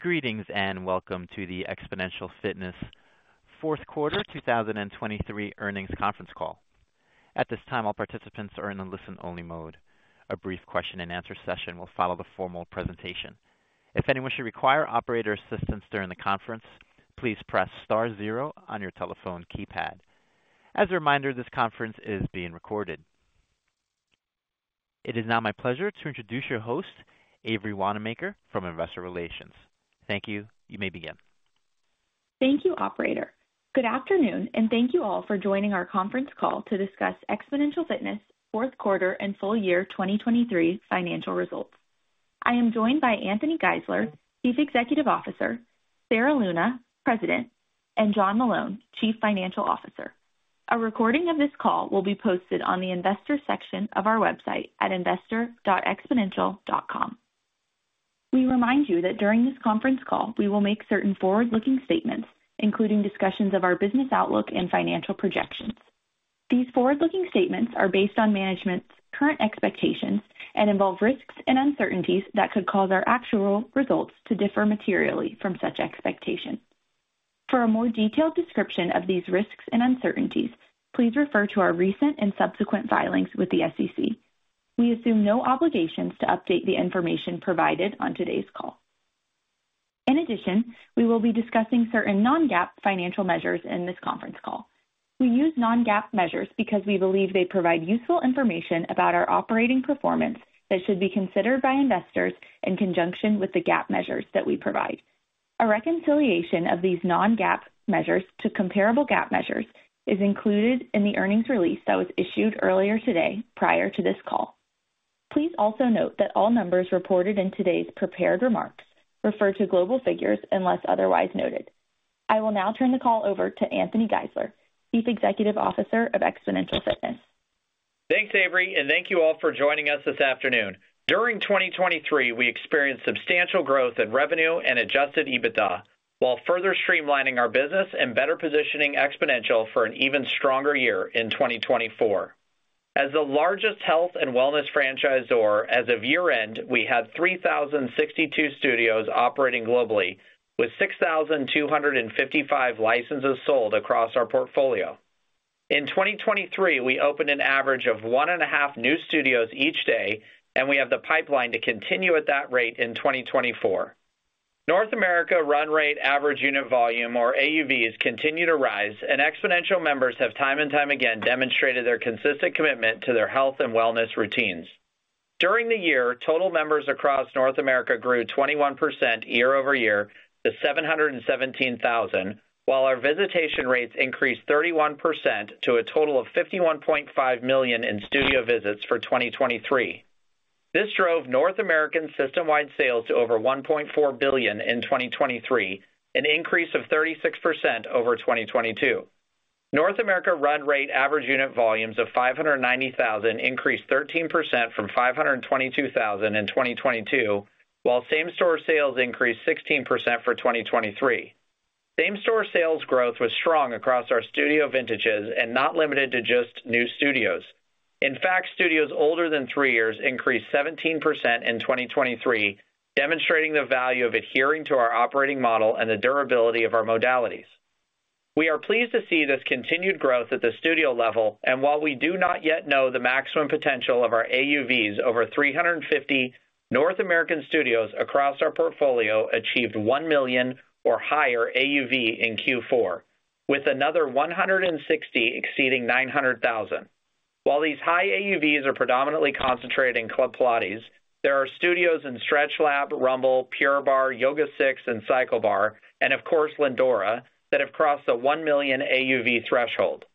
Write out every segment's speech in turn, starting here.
Greetings and welcome to the Xponential Fitness fourth quarter 2023 earnings conference call. At this time, all participants are in a listen-only mode. A brief question-and-answer session will follow the formal presentation. If anyone should require operator assistance during the conference, please press star zero on your telephone keypad. As a reminder, this conference is being recorded. It is now my pleasure to introduce your host, Avery Wannemacher, from Investor Relations. Thank you. You may begin. Thank you, operator. Good afternoon, and thank you all for joining our conference call to discuss Xponential Fitness fourth quarter and full year 2023 financial results. I am joined by Anthony Geisler, Chief Executive Officer; Sarah Luna, President; and John Meloun, Chief Financial Officer. A recording of this call will be posted on the Investor section of our website at investor.xponential.com. We remind you that during this conference call, we will make certain forward-looking statements, including discussions of our business outlook and financial projections. These forward-looking statements are based on management's current expectations and involve risks and uncertainties that could cause our actual results to differ materially from such expectations. For a more detailed description of these risks and uncertainties, please refer to our recent and subsequent filings with the SEC. We assume no obligations to update the information provided on today's call. In addition, we will be discussing certain non-GAAP financial measures in this conference call. We use non-GAAP measures because we believe they provide useful information about our operating performance that should be considered by investors in conjunction with the GAAP measures that we provide. A reconciliation of these non-GAAP measures to comparable GAAP measures is included in the earnings release that was issued earlier today prior to this call. Please also note that all numbers reported in today's prepared remarks refer to global figures unless otherwise noted. I will now turn the call over to Anthony Geisler, Chief Executive Officer of Xponential Fitness. Thanks, Avery, and thank you all for joining us this afternoon. During 2023, we experienced substantial growth in revenue and Adjusted EBITDA while further streamlining our business and better positioning Xponential for an even stronger year in 2024. As the largest health and wellness franchisor as of year-end, we had 3,062 studios operating globally, with 6,255 licenses sold across our portfolio. In 2023, we opened an average of 1.5 new studios each day, and we have the pipeline to continue at that rate in 2024. North America run-rate average unit volume, or AUVs, continue to rise, and Xponential members have time and time again demonstrated their consistent commitment to their health and wellness routines. During the year, total members across North America grew 21% year-over-year to 717,000, while our visitation rates increased 31% to a total of 51.5 million in studio visits for 2023. This drove North American system-wide sales to over $1.4 billion in 2023, an increase of 36% over 2022. North America run-rate average unit volumes of $590,000 increased 13% from $522,000 in 2022, while same-store sales increased 16% for 2023. Same-store sales growth was strong across our studio vintages and not limited to just new studios. In fact, studios older than three years increased 17% in 2023, demonstrating the value of adhering to our operating model and the durability of our modalities. We are pleased to see this continued growth at the studio level, and while we do not yet know the maximum potential of our AUVs, over 350 North American studios across our portfolio achieved $1 million or higher AUV in Q4, with another 160 exceeding $900,000. While these high AUVs are predominantly concentrated in Club Pilates, there are studios in StretchLab, Rumble, Pure Barre, YogaSix, and CycleBar, and of course, Lindora, that have crossed the $1 million AUV threshold.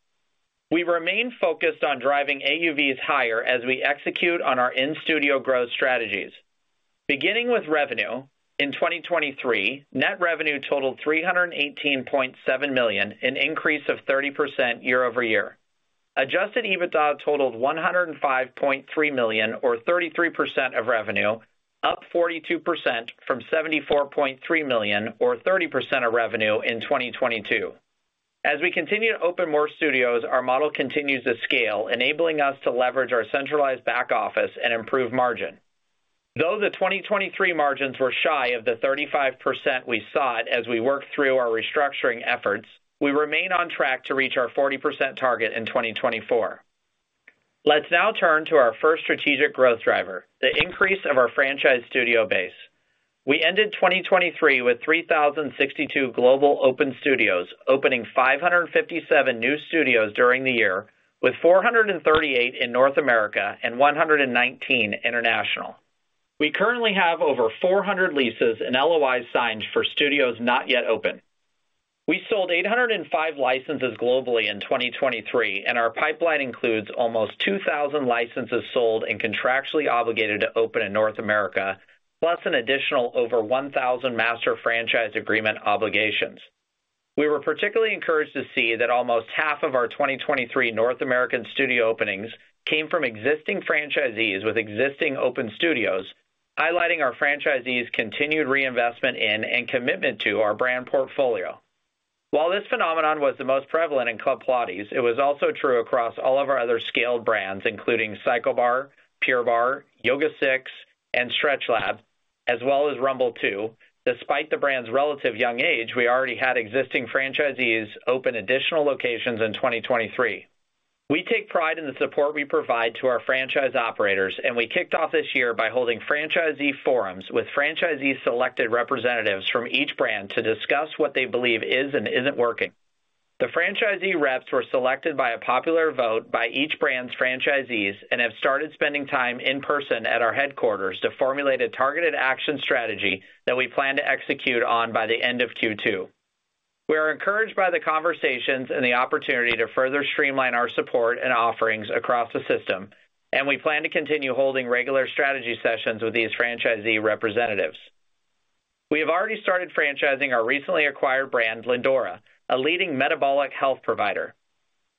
We remain focused on driving AUVs higher as we execute on our in-studio growth strategies. Beginning with revenue, in 2023, net revenue totaled $318.7 million, an increase of 30% year-over-year. Adjusted EBITDA totaled $105.3 million, or 33% of revenue, up 42% from $74.3 million, or 30% of revenue, in 2022. As we continue to open more studios, our model continues to scale, enabling us to leverage our centralized back office and improve margin. Though the 2023 margins were shy of the 35% we sought as we worked through our restructuring efforts, we remain on track to reach our 40% target in 2024. Let's now turn to our first strategic growth driver, the increase of our franchise studio base. We ended 2023 with 3,062 global open studios opening 557 new studios during the year, with 438 in North America and 119 international. We currently have over 400 leases and LOIs signed for studios not yet open. We sold 805 licenses globally in 2023, and our pipeline includes almost 2,000 licenses sold and contractually obligated to open in North America, plus an additional over 1,000 master franchise agreement obligations. We were particularly encouraged to see that almost half of our 2023 North American studio openings came from existing franchisees with existing open studios, highlighting our franchisees' continued reinvestment in and commitment to our brand portfolio. While this phenomenon was the most prevalent in Club Pilates, it was also true across all of our other scaled brands, including CycleBar, Pure Barre, YogaSix, and StretchLab, as well as Rumble. Despite the brand's relative young age, we already had existing franchisees open additional locations in 2023. We take pride in the support we provide to our franchise operators, and we kicked off this year by holding franchisee forums with franchisee-selected representatives from each brand to discuss what they believe is and isn't working. The franchisee reps were selected by a popular vote by each brand's franchisees and have started spending time in person at our headquarters to formulate a targeted action strategy that we plan to execute on by the end of Q2. We are encouraged by the conversations and the opportunity to further streamline our support and offerings across the system, and we plan to continue holding regular strategy sessions with these franchisee representatives. We have already started franchising our recently acquired brand, Lindora, a leading metabolic health provider.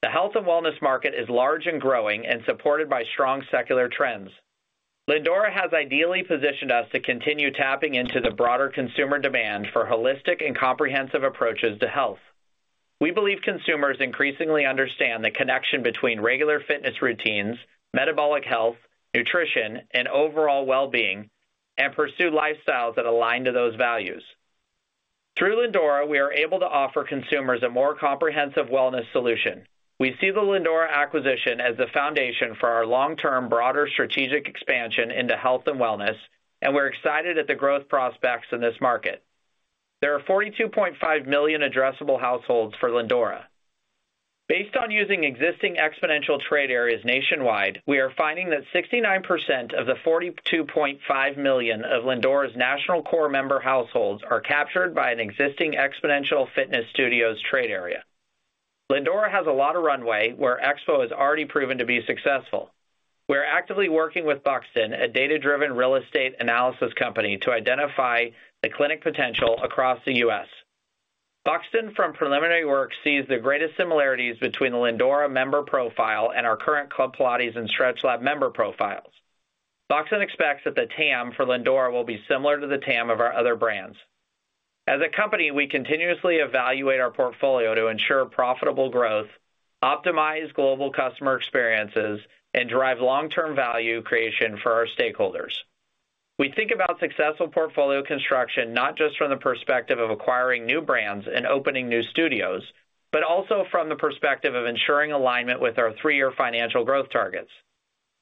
The health and wellness market is large and growing and supported by strong secular trends. Lindora has ideally positioned us to continue tapping into the broader consumer demand for holistic and comprehensive approaches to health. We believe consumers increasingly understand the connection between regular fitness routines, metabolic health, nutrition, and overall well-being, and pursue lifestyles that align to those values. Through Lindora, we are able to offer consumers a more comprehensive wellness solution. We see the Lindora acquisition as the foundation for our long-term broader strategic expansion into health and wellness, and we're excited at the growth prospects in this market. There are 42.5 million addressable households for Lindora. Based on using existing Xponential trade areas nationwide, we are finding that 69% of the 42.5 million of Lindora's national core member households are captured by an existing Xponential Fitness studios trade area. Lindora has a lot of runway, where Xponential has already proven to be successful. We're actively working with Buxton, a data-driven real estate analysis company, to identify the clinic potential across the U.S. Buxton, from preliminary work, sees the greatest similarities between the Lindora member profile and our current Club Pilates and StretchLab member profiles. Buxton expects that the TAM for Lindora will be similar to the TAM of our other brands. As a company, we continuously evaluate our portfolio to ensure profitable growth, optimize global customer experiences, and drive long-term value creation for our stakeholders. We think about successful portfolio construction not just from the perspective of acquiring new brands and opening new studios, but also from the perspective of ensuring alignment with our three-year financial growth targets.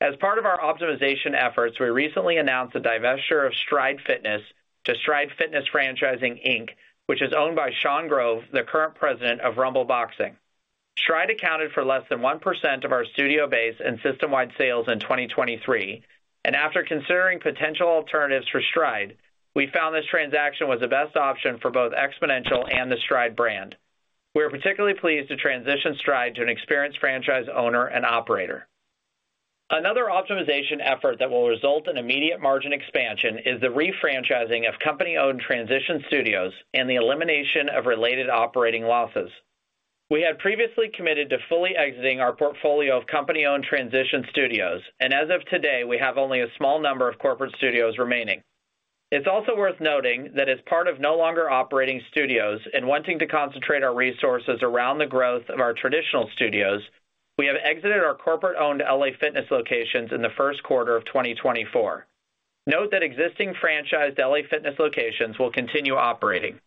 As part of our optimization efforts, we recently announced a divestiture of Stride Fitness to Stride Fitness Franchising, Inc., which is owned by Shaun Grove, the current president of Rumble Boxing. Stride accounted for less than 1% of our studio base and system-wide sales in 2023, and after considering potential alternatives for Stride, we found this transaction was the best option for both Xponential and the Stride brand. We are particularly pleased to transition Stride to an experienced franchise owner and operator. Another optimization effort that will result in immediate margin expansion is the refranchising of company-owned transition studios and the elimination of related operating losses. We had previously committed to fully exiting our portfolio of company-owned transition studios, and as of today, we have only a small number of corporate studios remaining. It's also worth noting that as part of no longer operating studios and wanting to concentrate our resources around the growth of our traditional studios, we have exited our corporate-owned LA Fitness locations in the first quarter of 2024. Note that existing franchised LA Fitness locations will continue operating.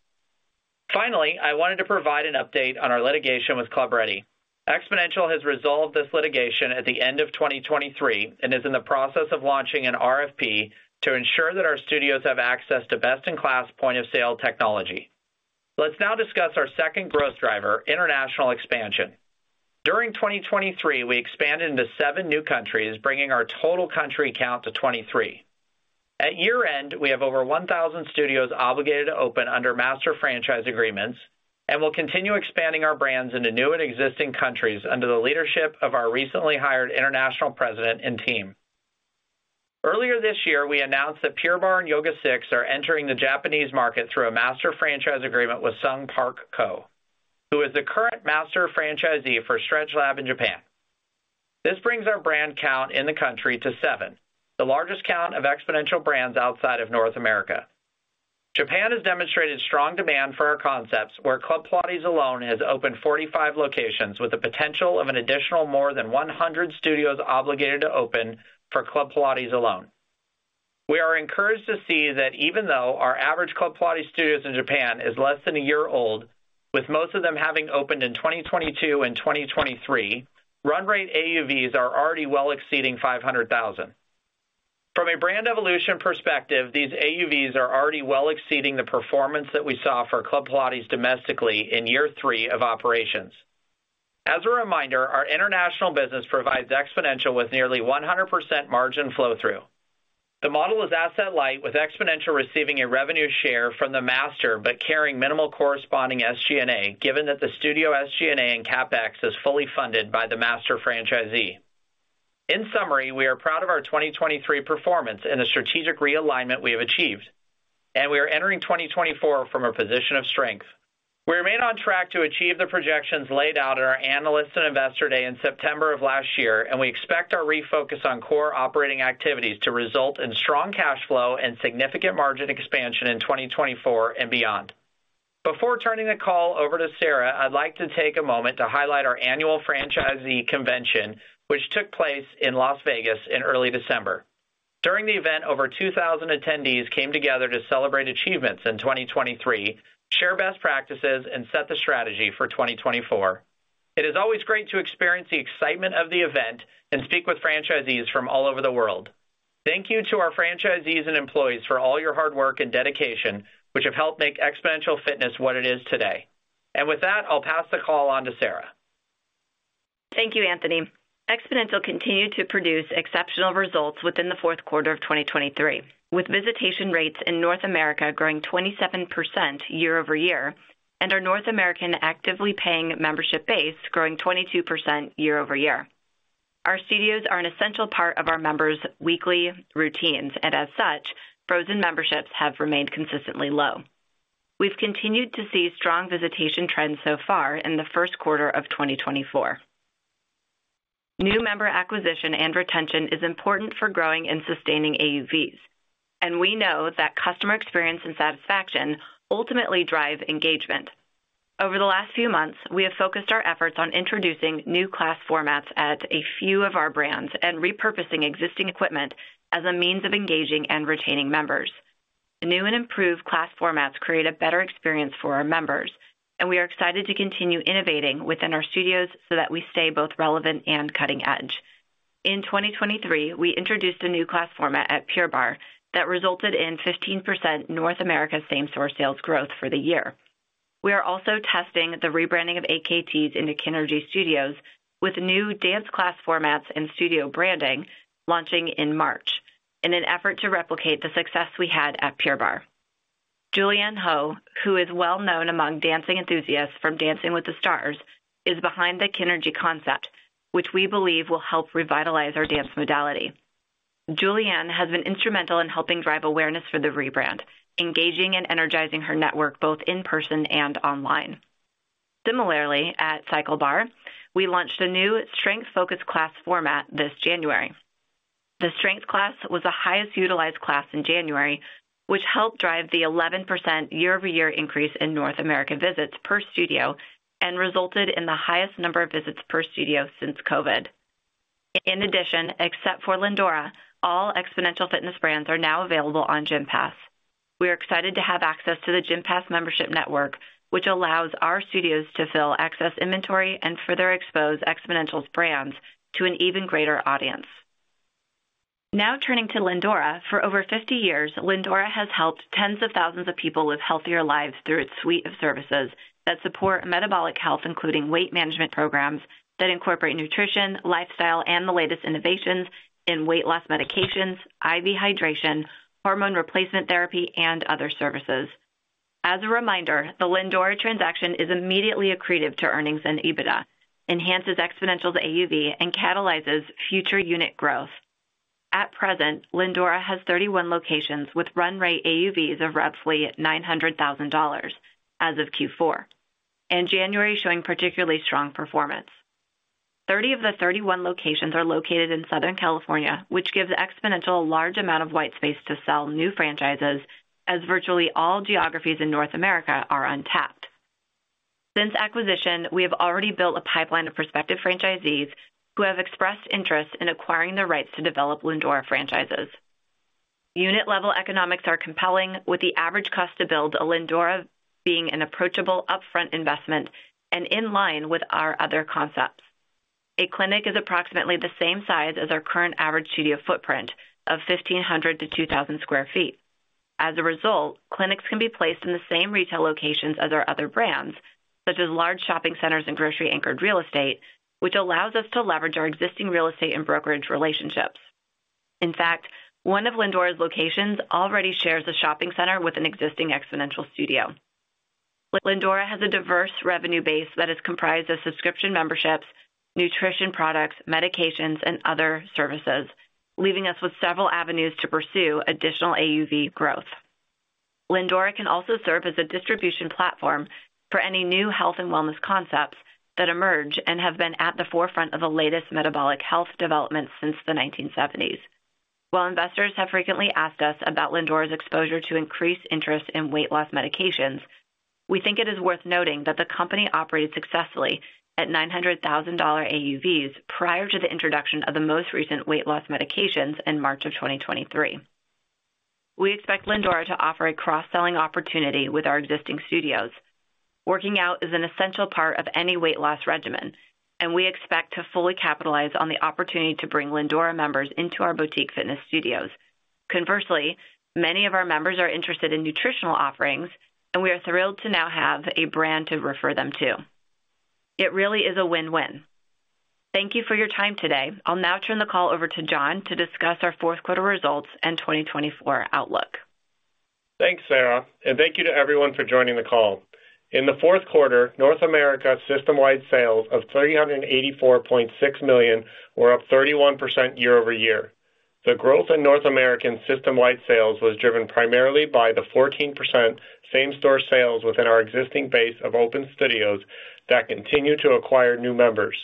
Finally, I wanted to provide an update on our litigation with ClubReady. Xponential has resolved this litigation at the end of 2023 and is in the process of launching an RFP to ensure that our studios have access to best-in-class point-of-sale technology. Let's now discuss our second growth driver, international expansion. During 2023, we expanded into 7 new countries, bringing our total country count to 23. At year-end, we have over 1,000 studios obligated to open under master franchise agreements and will continue expanding our brands into new and existing countries under the leadership of our recently hired international president and team. Earlier this year, we announced that Pure Barre and YogaSix are entering the Japanese market through a master franchise agreement with Sun Park Co., who is the current master franchisee for StretchLab in Japan. This brings our brand count in the country to 7, the largest count of Xponential brands outside of North America. Japan has demonstrated strong demand for our concepts, where Club Pilates alone has opened 45 locations with the potential of an additional more than 100 studios obligated to open for Club Pilates alone. We are encouraged to see that even though our average Club Pilates studios in Japan is less than a year old, with most of them having opened in 2022 and 2023, run-rate AUVs are already well exceeding $500,000. From a brand evolution perspective, these AUVs are already well exceeding the performance that we saw for Club Pilates domestically in year three of operations. As a reminder, our international business provides Xponential with nearly 100% margin flow-through. The model is asset-light, with Xponential receiving a revenue share from the master but carrying minimal corresponding SG&A, given that the studio SG&A and CapEx is fully funded by the master franchisee. In summary, we are proud of our 2023 performance and the strategic realignment we have achieved, and we are entering 2024 from a position of strength. We remain on track to achieve the projections laid out in our Analyst and Investor Day in September of last year, and we expect our refocus on core operating activities to result in strong cash flow and significant margin expansion in 2024 and beyond. Before turning the call over to Sarah, I'd like to take a moment to highlight our annual franchisee convention, which took place in Las Vegas in early December. During the event, over 2,000 attendees came together to celebrate achievements in 2023, share best practices, and set the strategy for 2024. It is always great to experience the excitement of the event and speak with franchisees from all over the world. Thank you to our franchisees and employees for all your hard work and dedication, which have helped make Xponential Fitness what it is today. With that, I'll pass the call on to Sarah. Thank you, Anthony. Xponential continued to produce exceptional results within the fourth quarter of 2023, with visitation rates in North America growing 27% year-over-year and our North American actively paying membership base growing 22% year-over-year. Our studios are an essential part of our members' weekly routines, and as such, frozen memberships have remained consistently low. We've continued to see strong visitation trends so far in the first quarter of 2024. New member acquisition and retention is important for growing and sustaining AUVs, and we know that customer experience and satisfaction ultimately drive engagement. Over the last few months, we have focused our efforts on introducing new class formats at a few of our brands and repurposing existing equipment as a means of engaging and retaining members. New and improved class formats create a better experience for our members, and we are excited to continue innovating within our studios so that we stay both relevant and cutting edge. In 2023, we introduced a new class format at Pure Barre that resulted in 15% North America same-store sales growth for the year. We are also testing the rebranding of AKT into KINRGY Studios with new dance class formats and studio branding, launching in March, in an effort to replicate the success we had at Pure Barre. Julianne Hough, who is well known among dancing enthusiasts from Dancing with the Stars, is behind the KINRGY concept, which we believe will help revitalize our dance modality. Julianne Hough has been instrumental in helping drive awareness for the rebrand, engaging and energizing her network both in person and online. Similarly, at CycleBar, we launched a new strength-focused class format this January. The strength class was the highest utilized class in January, which helped drive the 11% year-over-year increase in North American visits per studio and resulted in the highest number of visits per studio since COVID. In addition, except for Lindora, all Xponential Fitness brands are now available on Gympass. We are excited to have access to the Gympass membership network, which allows our studios to fill excess inventory and further expose Xponential's brands to an even greater audience. Now turning to Lindora, for over 50 years, Lindora has helped tens of thousands of people live healthier lives through its suite of services that support metabolic health, including weight management programs that incorporate nutrition, lifestyle, and the latest innovations in weight loss medications, IV hydration, hormone replacement therapy, and other services. As a reminder, the Lindora transaction is immediately accretive to earnings and EBITDA, enhances Xponential's AUV, and catalyzes future unit growth. At present, Lindora has 31 locations with run-rate AUVs of roughly $900,000 as of Q4, and January showing particularly strong performance. 30 of the 31 locations are located in Southern California, which gives Xponential a large amount of white space to sell new franchises as virtually all geographies in North America are untapped. Since acquisition, we have already built a pipeline of prospective franchisees who have expressed interest in acquiring the rights to develop Lindora franchises. Unit-level economics are compelling, with the average cost to build a Lindora being an approachable, upfront investment and in line with our other concepts. A clinic is approximately the same size as our current average studio footprint of 1,500-2,000 sq ft. As a result, clinics can be placed in the same retail locations as our other brands, such as large shopping centers and grocery-anchored real estate, which allows us to leverage our existing real estate and brokerage relationships. In fact, one of Lindoras locations already shares a shopping center with an existing Xponential studio. Lindora has a diverse revenue base that is comprised of subscription memberships, nutrition products, medications, and other services, leaving us with several avenues to pursue additional AUV growth. Lindora can also serve as a distribution platform for any new health and wellness concepts that emerge and have been at the forefront of the latest metabolic health developments since the 1970s. While investors have frequently asked us about Lindoras exposure to increased interest in weight loss medications, we think it is worth noting that the company operated successfully at $900,000 AUVs prior to the introduction of the most recent weight loss medications in March of 2023. We expect Lindora to offer a cross-selling opportunity with our existing studios. Working out is an essential part of any weight loss regimen, and we expect to fully capitalize on the opportunity to bring Lindora members into our boutique fitness studios. Conversely, many of our members are interested in nutritional offerings, and we are thrilled to now have a brand to refer them to. It really is a win-win. Thank you for your time today. I'll now turn the call over to John to discuss our fourth quarter results and 2024 outlook. Thanks, Sarah, and thank you to everyone for joining the call. In the fourth quarter, North America's system-wide sales of $384.6 million were up 31% year-over-year. The growth in North American system-wide sales was driven primarily by the 14% same-store sales within our existing base of open studios that continue to acquire new members,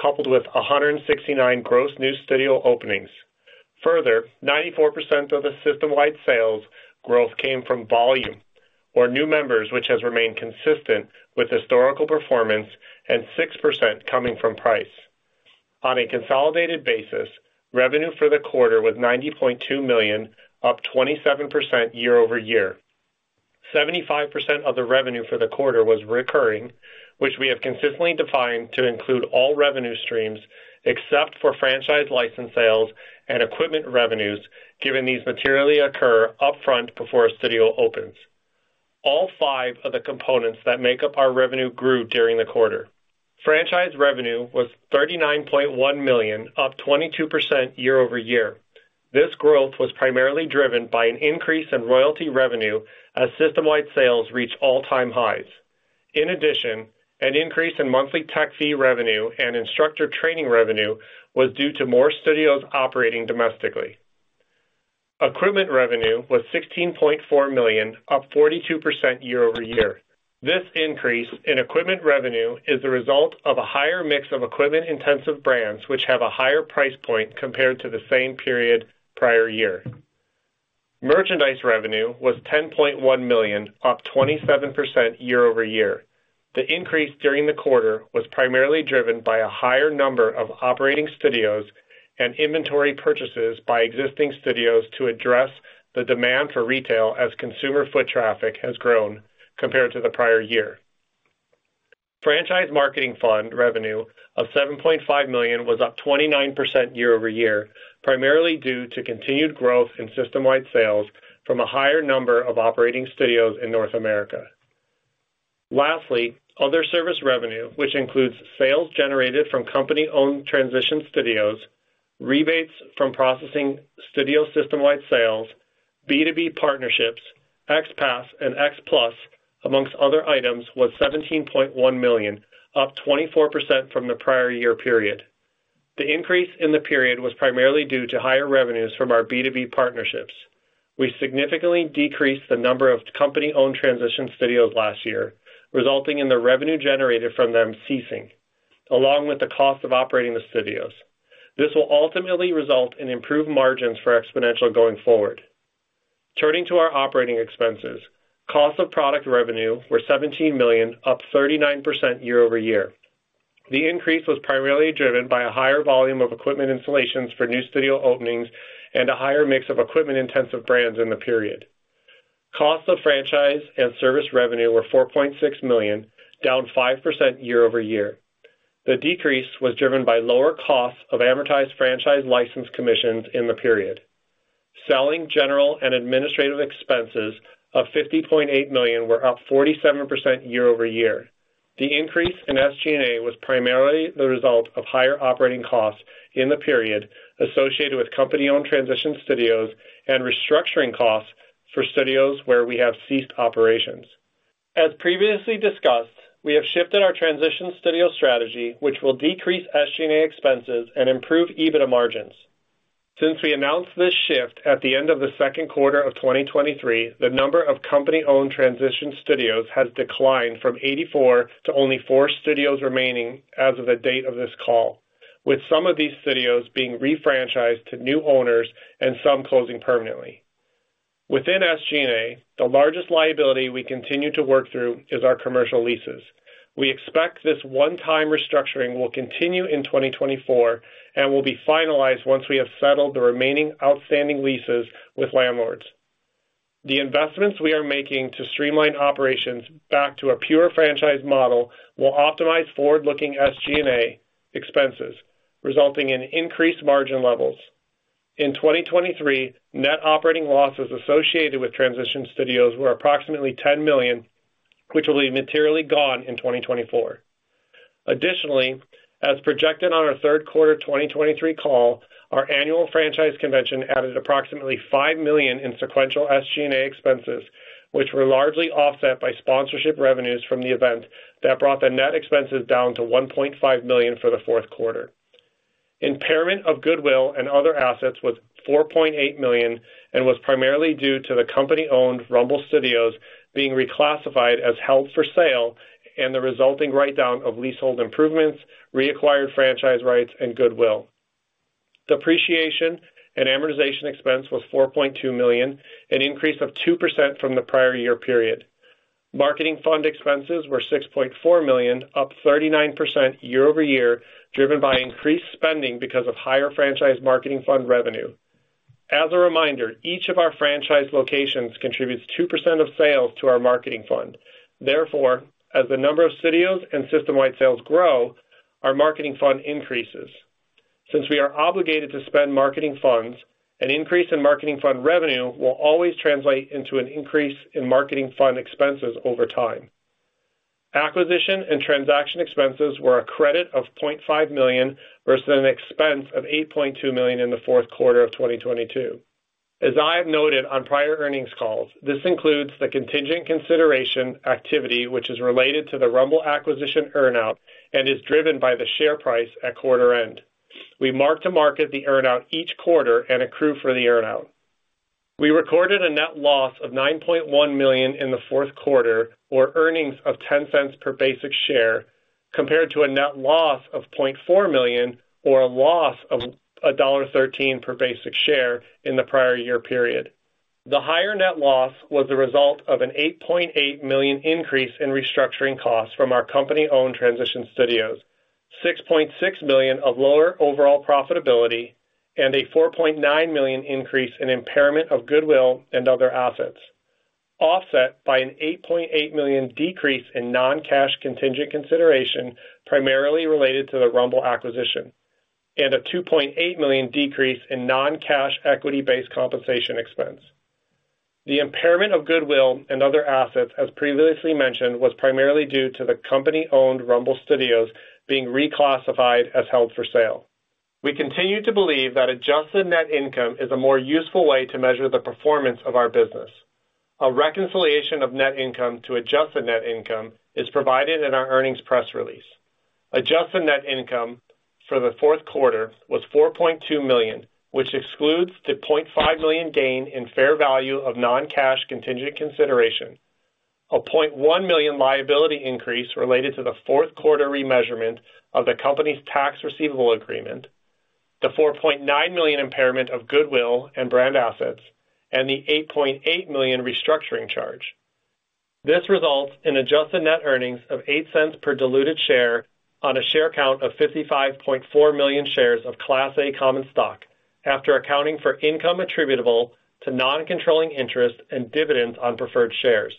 coupled with 169 gross new studio openings. Further, 94% of the system-wide sales growth came from volume, or new members, which has remained consistent with historical performance, and 6% coming from price. On a consolidated basis, revenue for the quarter was $90.2 million, up 27% year-over-year. 75% of the revenue for the quarter was recurring, which we have consistently defined to include all revenue streams except for franchise license sales and equipment revenues, given these materially occur upfront before a studio opens. All five of the components that make up our revenue grew during the quarter. Franchise revenue was $39.1 million, up 22% year-over-year. This growth was primarily driven by an increase in royalty revenue as system-wide sales reached all-time highs. In addition, an increase in monthly tech fee revenue and instructor training revenue was due to more studios operating domestically. Equipment revenue was $16.4 million, up 42% year-over-year. This increase in equipment revenue is the result of a higher mix of equipment-intensive brands, which have a higher price point compared to the same period prior year. Merchandise revenue was $10.1 million, up 27% year-over-year. The increase during the quarter was primarily driven by a higher number of operating studios and inventory purchases by existing studios to address the demand for retail as consumer foot traffic has grown compared to the prior year. Franchise Marketing Fund revenue of $7.5 million was up 29% year-over-year, primarily due to continued growth in system-wide sales from a higher number of operating studios in North America. Lastly, other service revenue, which includes sales generated from company-owned transition studios, rebates from processing studio system-wide sales, B2B partnerships, XPass, and XPlus, among other items, was $17.1 million, up 24% from the prior year period. The increase in the period was primarily due to higher revenues from our B2B partnerships. We significantly decreased the number of company-owned transition studios last year, resulting in the revenue generated from them ceasing, along with the cost of operating the studios. This will ultimately result in improved margins for Xponential going forward. Turning to our operating expenses, cost of product revenue were $17 million, up 39% year-over-year. The increase was primarily driven by a higher volume of equipment installations for new studio openings and a higher mix of equipment-intensive brands in the period. Cost of franchise and service revenue were $4.6 million, down 5% year over year. The decrease was driven by lower costs of amortized franchise license commissions in the period. Selling, general, and administrative expenses of $50.8 million were up 47% year over year. The increase in SG&A was primarily the result of higher operating costs in the period associated with company-owned transition studios and restructuring costs for studios where we have ceased operations. As previously discussed, we have shifted our transition studio strategy, which will decrease SG&A expenses and improve EBITDA margins. Since we announced this shift at the end of the second quarter of 2023, the number of company-owned transition studios has declined from 84 to only 4 studios remaining as of the date of this call, with some of these studios being refranchised to new owners and some closing permanently. Within SG&A, the largest liability we continue to work through is our commercial leases. We expect this one-time restructuring will continue in 2024 and will be finalized once we have settled the remaining outstanding leases with landlords. The investments we are making to streamline operations back to a pure franchise model will optimize forward-looking SG&A expenses, resulting in increased margin levels. In 2023, net operating losses associated with transition studios were approximately $10 million, which will be materially gone in 2024. Additionally, as projected on our third quarter 2023 call, our annual franchise convention added approximately $5 million in sequential SG&A expenses, which were largely offset by sponsorship revenues from the event that brought the net expenses down to $1.5 million for the fourth quarter. Impairment of goodwill and other assets was $4.8 million and was primarily due to the company-owned Rumble Studios being reclassified as held for sale and the resulting write-down of leasehold improvements, reacquired franchise rights, and goodwill. Depreciation and amortization expense was $4.2 million, an increase of 2% from the prior year period. Marketing fund expenses were $6.4 million, up 39% year-over-year, driven by increased spending because of higher franchise marketing fund revenue. As a reminder, each of our franchise locations contributes 2% of sales to our marketing fund. Therefore, as the number of studios and system-wide sales grow, our marketing fund increases. Since we are obligated to spend marketing funds, an increase in marketing fund revenue will always translate into an increase in marketing fund expenses over time. Acquisition and transaction expenses were a credit of $0.5 million versus an expense of $8.2 million in the fourth quarter of 2022. As I have noted on prior earnings calls, this includes the contingent consideration activity, which is related to the Rumble acquisition earnout and is driven by the share price at quarter end. We mark to market the earnout each quarter and accrue for the earnout. We recorded a net loss of $9.1 million in the fourth quarter, or earnings of $0.10 per basic share, compared to a net loss of $0.4 million, or a loss of $1.13 per basic share in the prior year period. The higher net loss was the result of an $8.8 million increase in restructuring costs from our company-owned transition studios, $6.6 million of lower overall profitability, and a $4.9 million increase in impairment of goodwill and other assets, offset by an $8.8 million decrease in non-cash contingent consideration primarily related to the Rumble acquisition, and a $2.8 million decrease in non-cash equity-based compensation expense. The impairment of goodwill and other assets, as previously mentioned, was primarily due to the company-owned Rumble Studios being reclassified as held for sale. We continue to believe that adjusted net income is a more useful way to measure the performance of our business. A reconciliation of net income to adjusted net income is provided in our earnings press release. Adjusted net income for the fourth quarter was $4.2 million, which excludes the $0.5 million gain in fair value of non-cash contingent consideration, a $0.1 million liability increase related to the fourth quarter remeasurement of the company's Tax Receivable Agreement, the $4.9 million impairment of goodwill and brand assets, and the $8.8 million restructuring charge. This results in adjusted net earnings of $0.08 per diluted share on a share count of 55.4 million shares of Class A common stock, after accounting for income attributable to non-controlling interest and dividends on preferred shares.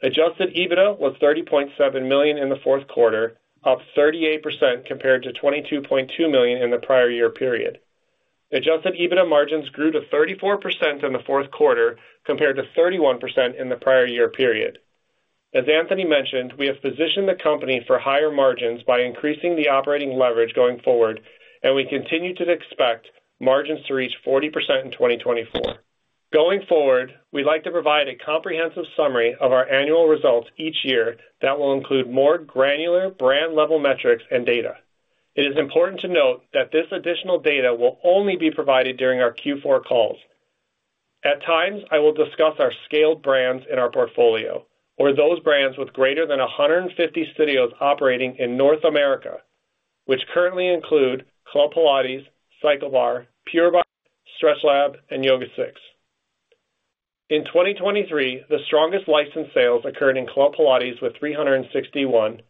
Adjusted EBITDA was $30.7 million in the fourth quarter, up 38% compared to $22.2 million in the prior year period. Adjusted EBITDA margins grew to 34% in the fourth quarter compared to 31% in the prior year period. As Anthony mentioned, we have positioned the company for higher margins by increasing the operating leverage going forward, and we continue to expect margins to reach 40% in 2024. Going forward, we'd like to provide a comprehensive summary of our annual results each year that will include more granular brand-level metrics and data. It is important to note that this additional data will only be provided during our Q4 calls. At times, I will discuss our scaled brands in our portfolio, or those brands with greater than 150 studios operating in North America, which currently include Club Pilates, CycleBar, Pure Barre, StretchLab, and YogaSix. In 2023, the strongest license sales occurred in Club Pilates with 361,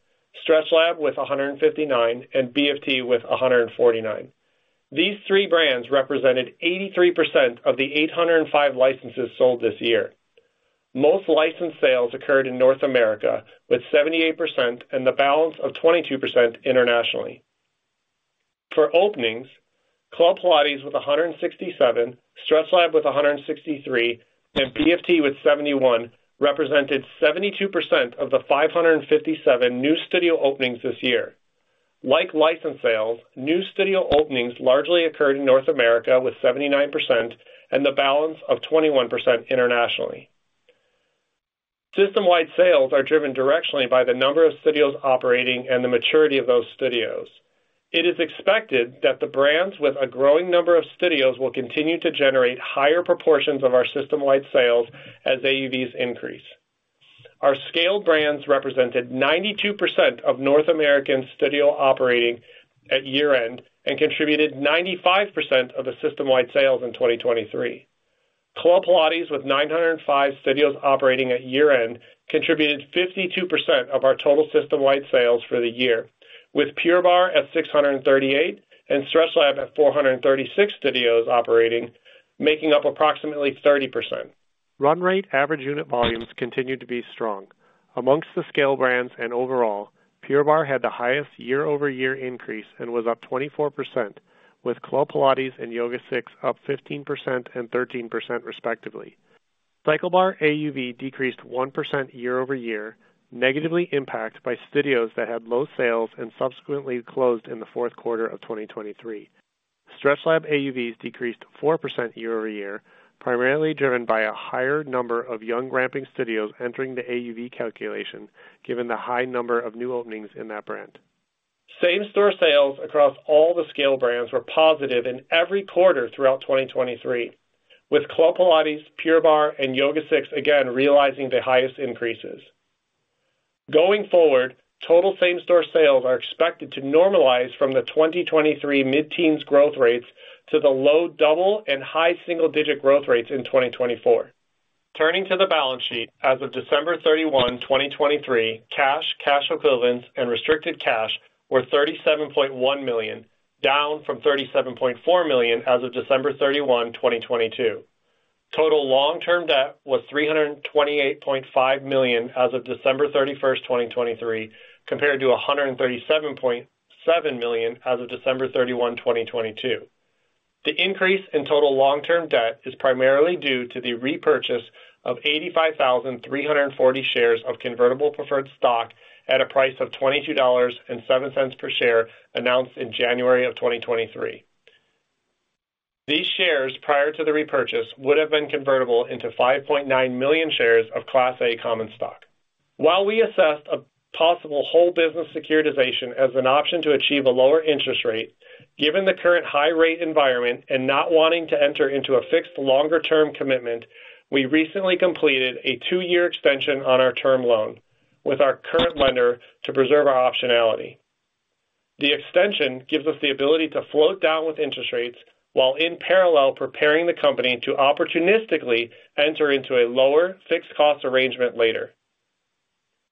StretchLab with 159, and BFT with 149. These three brands represented 83% of the 805 licenses sold this year. Most license sales occurred in North America, with 78% and the balance of 22% internationally. For openings, Club Pilates with 167, StretchLab with 163, and BFT with 71 represented 72% of the 557 new studio openings this year. Like license sales, new studio openings largely occurred in North America with 79% and the balance of 21% internationally. System-wide sales are driven directionally by the number of studios operating and the maturity of those studios. It is expected that the brands with a growing number of studios will continue to generate higher proportions of our system-wide sales as AUVs increase. Our scaled brands represented 92% of North American studios operating at year end and contributed 95% of the system-wide sales in 2023. Club Pilates with 905 studios operating at year-end contributed 52% of our total system-wide sales for the year, with Pure Barre at 638 and StretchLab at 436 studios operating, making up approximately 30%. Run-rate average unit volumes continued to be strong. Among the scaled brands and overall, Pure Barre had the highest year-over-year increase and was up 24%, with Club Pilates and YogaSix up 15% and 13% respectively. CycleBar AUV decreased 1% year-over-year, negatively impacted by studios that had low sales and subsequently closed in the fourth quarter of 2023. StretchLab AUVs decreased 4% year-over-year, primarily driven by a higher number of young ramping studios entering the AUV calculation, given the high number of new openings in that brand. Same-store sales across all the scaled brands were positive in every quarter throughout 2023, with Club Pilates, Pure Barre, and YogaSix again realizing the highest increases. Going forward, total same-store sales are expected to normalize from the 2023 mid-teens growth rates to the low double and high single-digit growth rates in 2024. Turning to the balance sheet, as of December 31, 2023, cash, cash equivalents, and restricted cash were $37.1 million, down from $37.4 million as of December 31, 2022. Total long-term debt was $328.5 million as of December 31, 2023, compared to $137.7 million as of December 31, 2022. The increase in total long-term debt is primarily due to the repurchase of 85,340 shares of convertible preferred stock at a price of $22.07 per share announced in January of 2023. These shares, prior to the repurchase, would have been convertible into 5.9 million shares of Class A common stock. While we assessed a possible whole business securitization as an option to achieve a lower interest rate, given the current high-rate environment and not wanting to enter into a fixed longer-term commitment, we recently completed a 2-year extension on our term loan with our current lender to preserve our optionality. The extension gives us the ability to float down with interest rates while in parallel preparing the company to opportunistically enter into a lower fixed-cost arrangement later.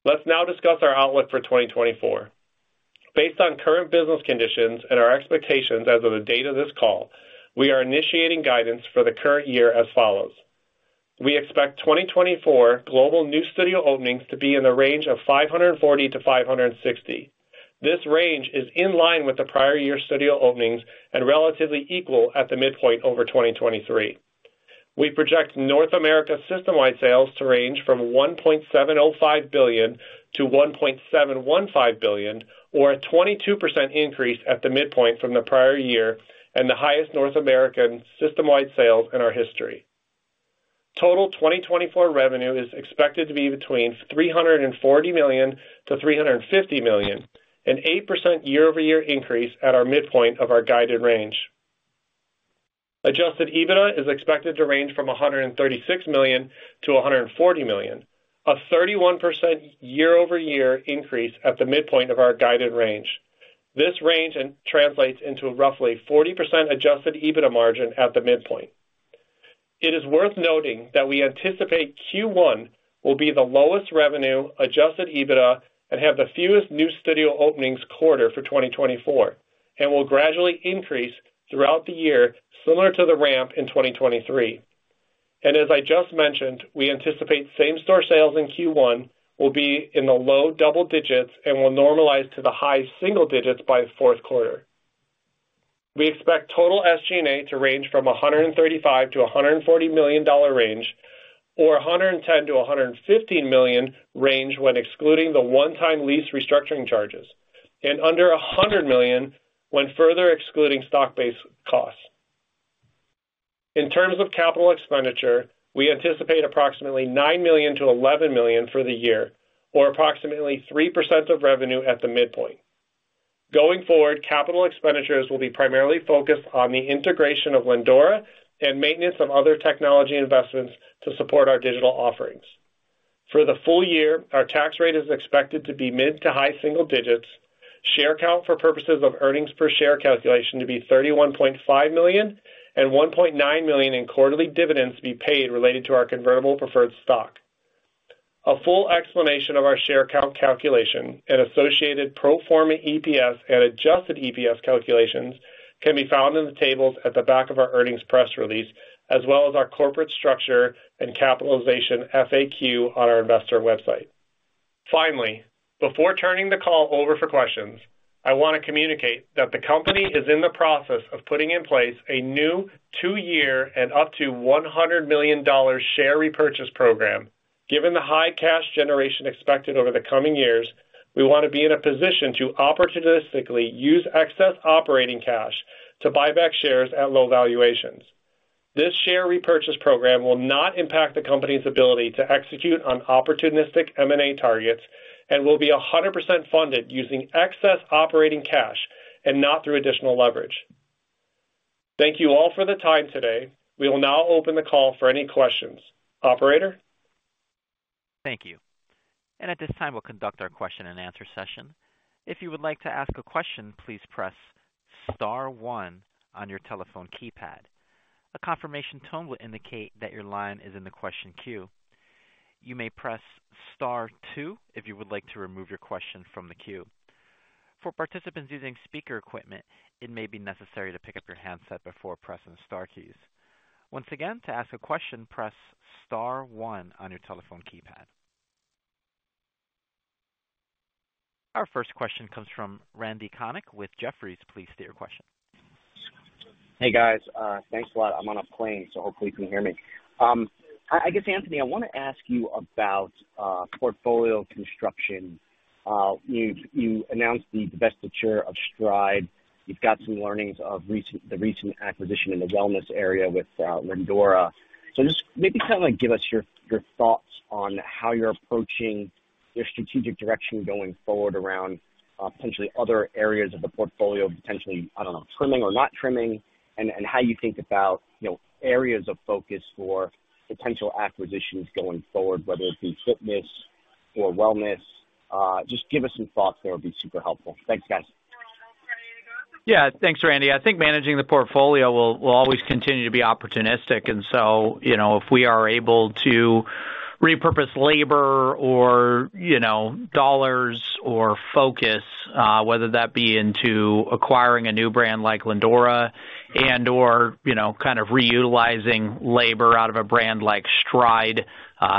Let's now discuss our outlook for 2024. Based on current business conditions and our expectations as of the date of this call, we are initiating guidance for the current year as follows. We expect 2024 global new studio openings to be in the range of 540-560. This range is in line with the prior year studio openings and relatively equal at the midpoint over 2023. We project North America system-wide sales to range from $1.705 billion-$1.715 billion, or a 22% increase at the midpoint from the prior year and the highest North American system-wide sales in our history. Total 2024 revenue is expected to be between $340 million-$350 million, an 8% year-over-year increase at our midpoint of our guided range. Adjusted EBITDA is expected to range from $136 million-$140 million, a 31% year-over-year increase at the midpoint of our guided range. This range translates into roughly 40% adjusted EBITDA margin at the midpoint. It is worth noting that we anticipate Q1 will be the lowest revenue adjusted EBITDA and have the fewest new studio openings quarter for 2024, and will gradually increase throughout the year similar to the ramp in 2023. As I just mentioned, we anticipate same-store sales in Q1 will be in the low double digits and will normalize to the high single digits by the fourth quarter. We expect total SG&A to range from $135 million-$140 million range, or $110 million-$115 million range when excluding the one-time lease restructuring charges, and under $100 million when further excluding stock-based costs. In terms of capital expenditure, we anticipate approximately $9 million-$11 million for the year, or approximately 3% of revenue at the midpoint. Going forward, capital expenditures will be primarily focused on the integration of Lindora and maintenance of other technology investments to support our digital offerings. For the full year, our tax rate is expected to be mid- to high-single digits, share count for purposes of earnings per share calculation to be 31.5 million, and $1.9 million in quarterly dividends to be paid related to our convertible preferred stock. A full explanation of our share count calculation and associated pro forma EPS and adjusted EPS calculations can be found in the tables at the back of our earnings press release, as well as our corporate structure and capitalization FAQ on our investor website. Finally, before turning the call over for questions, I want to communicate that the company is in the process of putting in place a new two-year and up to $100 million share repurchase program. Given the high cash generation expected over the coming years, we want to be in a position to opportunistically use excess operating cash to buy back shares at low valuations. This share repurchase program will not impact the company's ability to execute on opportunistic M&A targets and will be 100% funded using excess operating cash and not through additional leverage. Thank you all for the time today. We will now open the call for any questions. Operator? Thank you. At this time, we'll conduct our question-and-answer session. If you would like to ask a question, please press star one on your telephone keypad. A confirmation tone will indicate that your line is in the question queue. You may press star two if you would like to remove your question from the queue. For participants using speaker equipment, it may be necessary to pick up your handset before pressing the star keys. Once again, to ask a question, press star one on your telephone keypad. Our first question comes from Randal Konik with Jefferies. Please state your question. Hey guys. Thanks a lot. I'm on a plane, so hopefully you can hear me. I guess, Anthony, I want to ask you about portfolio construction. You announced the divestiture of Stride. You've got some learnings of the recent acquisition in the wellness area with Lindora. So just maybe kind of give us your thoughts on how you're approaching your strategic direction going forward around potentially other areas of the portfolio, potentially, I don't know, trimming or not trimming, and how you think about areas of focus for potential acquisitions going forward, whether it be fitness or wellness. Just give us some thoughts. That would be super helpful. Thanks, guys. Yeah. Thanks, Randal. I think managing the portfolio will always continue to be opportunistic. And so if we are able to repurpose labor or dollars or focus, whether that be into acquiring a new brand like Lindora and/or kind of reutilizing labor out of a brand like Stride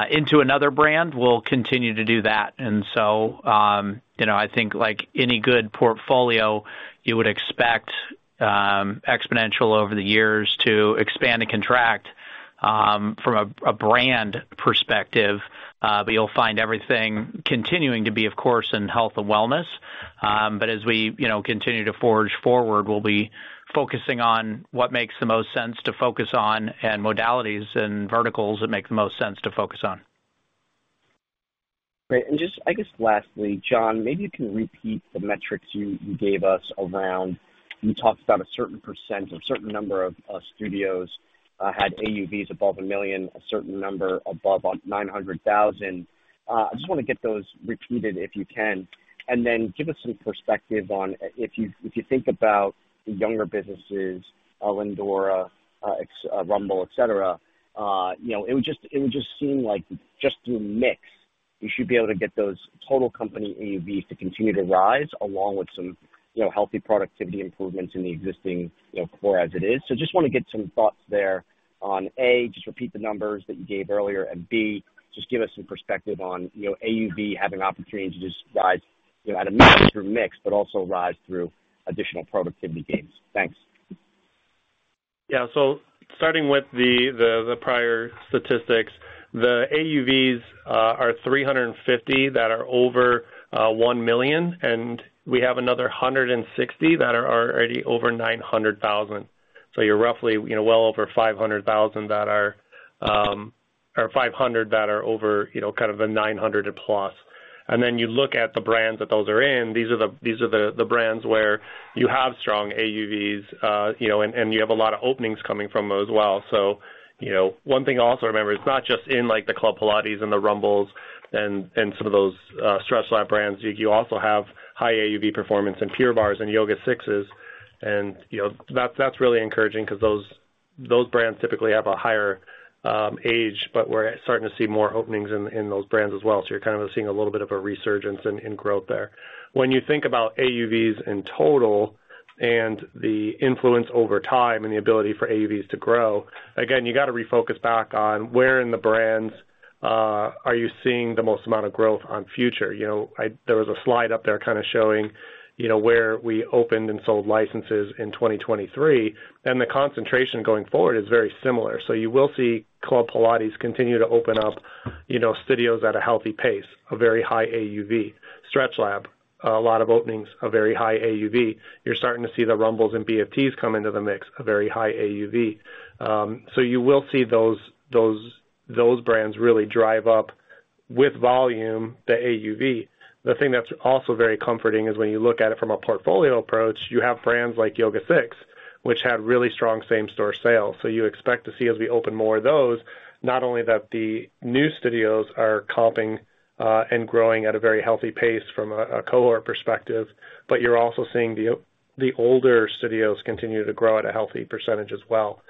into another brand, we'll continue to do that. And so I think any good portfolio, you would expect Xponential over the years to expand and contract from a brand perspective. But you'll find everything continuing to be, of course, in health and wellness. But as we continue to forge forward, we'll be focusing on what makes the most sense to focus on and modalities and verticals that make the most sense to focus on. Great. And just, I guess, lastly, John, maybe you can repeat the metrics you gave us around you talked about a certain % or certain number of studios had AUVs above $1 million, a certain number above $900,000. I just want to get those repeated if you can. And then give us some perspective on if you think about the younger businesses, Lindora, Rumble, etc., it would just seem like just through mix, you should be able to get those total company AUVs to continue to rise along with some healthy productivity improvements in the existing core as it is. So just want to get some thoughts there on, A, just repeat the numbers that you gave earlier, and, B, just give us some perspective on AUV having opportunity to just rise at a minimum through mix but also rise through additional productivity gains. Thanks. Yeah. So starting with the prior statistics, the AUVs are 350 that are over $1 million, and we have another 160 that are already over $900,000. So you're roughly well over 500,000 that are or 500 that are over kind of the 900+. And then you look at the brands that those are in, these are the brands where you have strong AUVs and you have a lot of openings coming from those as well. So one thing to also remember, it's not just in the Club Pilates and the Rumbles and some of those StretchLab brands. You also have high AUV performance in Pure Barre and YogaSix. And that's really encouraging because those brands typically have a higher age, but we're starting to see more openings in those brands as well. So you're kind of seeing a little bit of a resurgence and growth there. When you think about AUVs in total and the influence over time and the ability for AUVs to grow, again, you got to refocus back on where in the brands are you seeing the most amount of growth on future. There was a slide up there kind of showing where we opened and sold licenses in 2023, and the concentration going forward is very similar. So you will see Club Pilates continue to open up studios at a healthy pace, a very high AUV. StretchLab, a lot of openings, a very high AUV. You're starting to see the Rumbles and BFTs come into the mix, a very high AUV. So you will see those brands really drive up with volume the AUV. The thing that's also very comforting is when you look at it from a portfolio approach, you have brands like YogaSix, which had really strong same-store sales. So you expect to see as we open more of those, not only that the new studios are comping and growing at a very healthy pace from a cohort perspective, but you're also seeing the older studios continue to grow at a healthy percentage as well.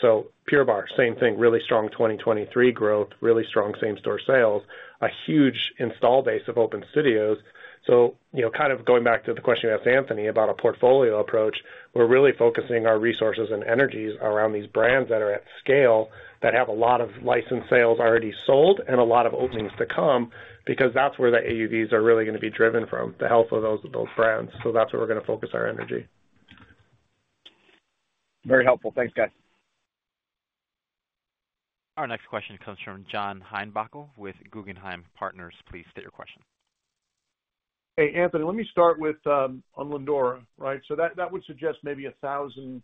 So Pure Barre, same thing, really strong 2023 growth, really strong same-store sales, a huge install base of open studios. So kind of going back to the question you asked, Anthony, about a portfolio approach, we're really focusing our resources and energies around these brands that are at scale, that have a lot of license sales already sold and a lot of openings to come because that's where the AUVs are really going to be driven from, the health of those brands. So that's where we're going to focus our energy. Very helpful. Thanks, guys. Our next question comes from John Heinbockel with Guggenheim Partners. Please state your question. Hey, Anthony, let me start with on Lindora, right? So that would suggest maybe 1,000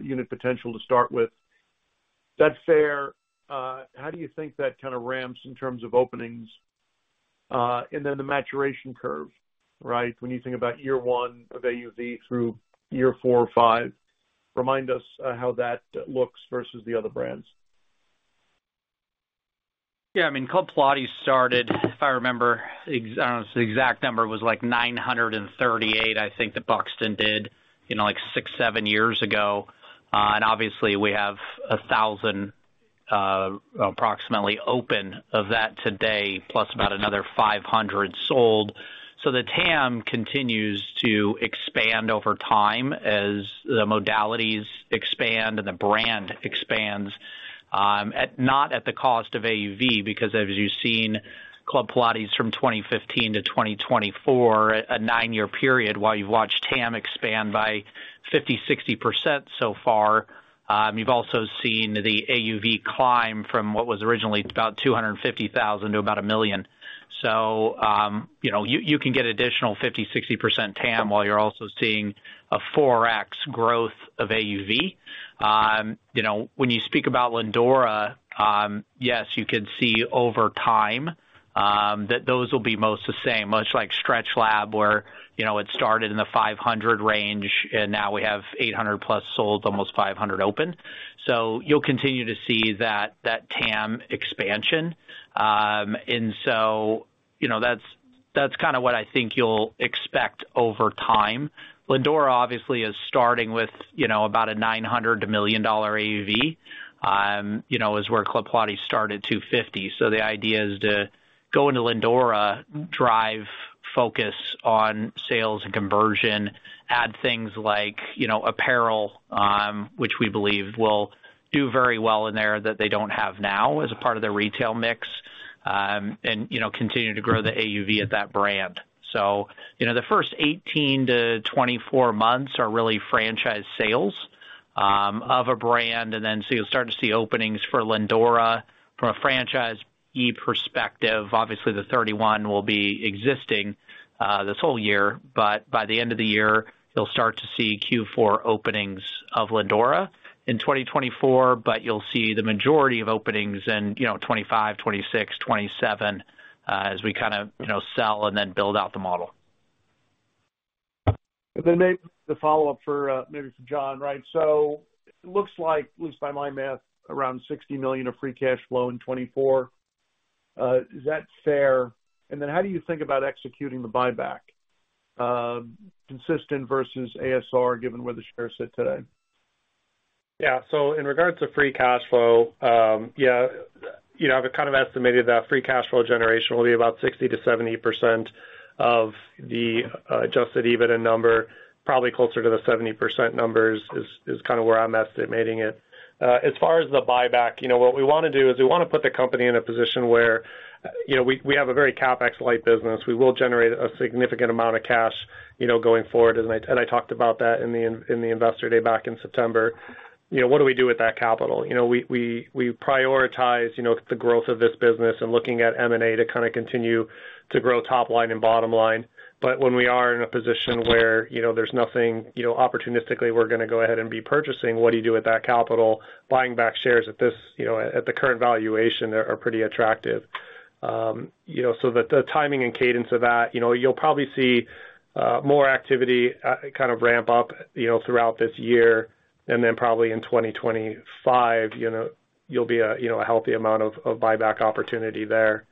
unit potential to start with. That's fair. How do you think that kind of ramps in terms of openings and then the maturation curve, right, when you think about year one of AUV through year four or five? Remind us how that looks versus the other brands. Yeah. I mean, Club Pilates started, if I remember, I don't know if the exact number was like 938, I think, that Buxton did like 6-7 years ago. And obviously, we have approximately 1,000 open of that today plus about another 500 sold. So the TAM continues to expand over time as the modalities expand and the brand expands, not at the cost of AUV because, as you've seen, Club Pilates from 2015 to 2024, a 9-year period, while you've watched TAM expand by 50%-60% so far, you've also seen the AUV climb from what was originally about $250,000 to about $1 million. So you can get additional 50%-60% TAM while you're also seeing a 4x growth of AUV. When you speak about Lindora, yes, you could see over time that those will be mostly the same, much like StretchLab where it started in the 500 range and now we have 800+ sold, almost 500 open. So you'll continue to see that TAM expansion. And so that's kind of what I think you'll expect over time. Lindora, obviously, is starting with about a $900,000-$1 million AUV [,] is where Club Pilates started, 250. So the idea is to go into Lindora, drive focus on sales and conversion, add things like apparel, which we believe will do very well in there that they don't have now as a part of their retail mix, and continue to grow the AUV at that brand. So the first 18-24 months are really franchise sales of a brand. And then so you'll start to see openings for Lindora from a franchisee perspective. Obviously, the 31 will be existing this whole year. But by the end of the year, you'll start to see Q4 openings of Lindora in 2024, but you'll see the majority of openings in 2025, 2026, 2027 as we kind of sell and then build out the model. And then maybe the follow-up for maybe for John, right? So it looks like, at least by my math, around $60 million of free cash flow in 2024. Is that fair? And then how do you think about executing the buyback, consistent versus ASR given where the shares sit today? Yeah. So in regards to free cash flow, yeah, I've kind of estimated that free cash flow generation will be about 60%-70% of the Adjusted EBITDA number, probably closer to the 70% numbers is kind of where I'm estimating it. As far as the buyback, what we want to do is we want to put the company in a position where we have a very CapEx-light business. We will generate a significant amount of cash going forward. And I talked about that in the investor day back in September. What do we do with that capital? We prioritize the growth of this business and looking at M&A to kind of continue to grow top line and bottom line. But when we are in a position where there's nothing opportunistically we're going to go ahead and be purchasing, what do you do with that capital? Buying back shares at the current valuation are pretty attractive. The timing and cadence of that, you'll probably see more activity kind of ramp up throughout this year. Then probably in 2025, you'll be a healthy amount of buyback opportunity there.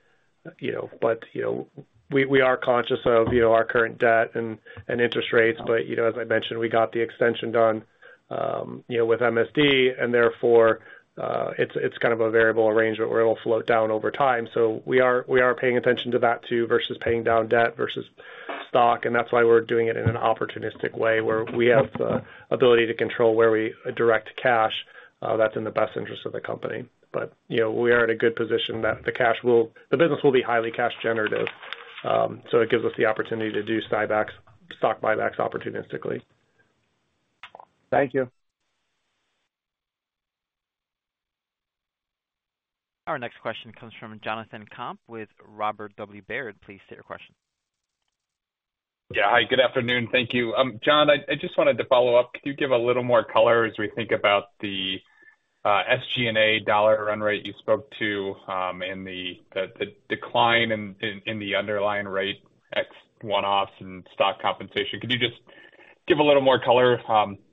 We are conscious of our current debt and interest rates. As I mentioned, we got the extension done with MSD, and therefore, it's kind of a variable arrangement where it'll float down over time. We are paying attention to that too versus paying down debt versus stock. That's why we're doing it in an opportunistic way where we have the ability to control where we direct cash. That's in the best interest of the company. We are in a good position that the business will be highly cash-generative. It gives us the opportunity to do stock buybacks opportunistically. Thank you. Our next question comes from Jonathan Komp with Robert W. Baird. Please state your question. Yeah. Hi. Good afternoon. Thank you. John, I just wanted to follow up. Could you give a little more color as we think about the SG&A dollar run rate you spoke to and the decline in the underlying rate ex-one-offs and stock compensation? Could you just give a little more color,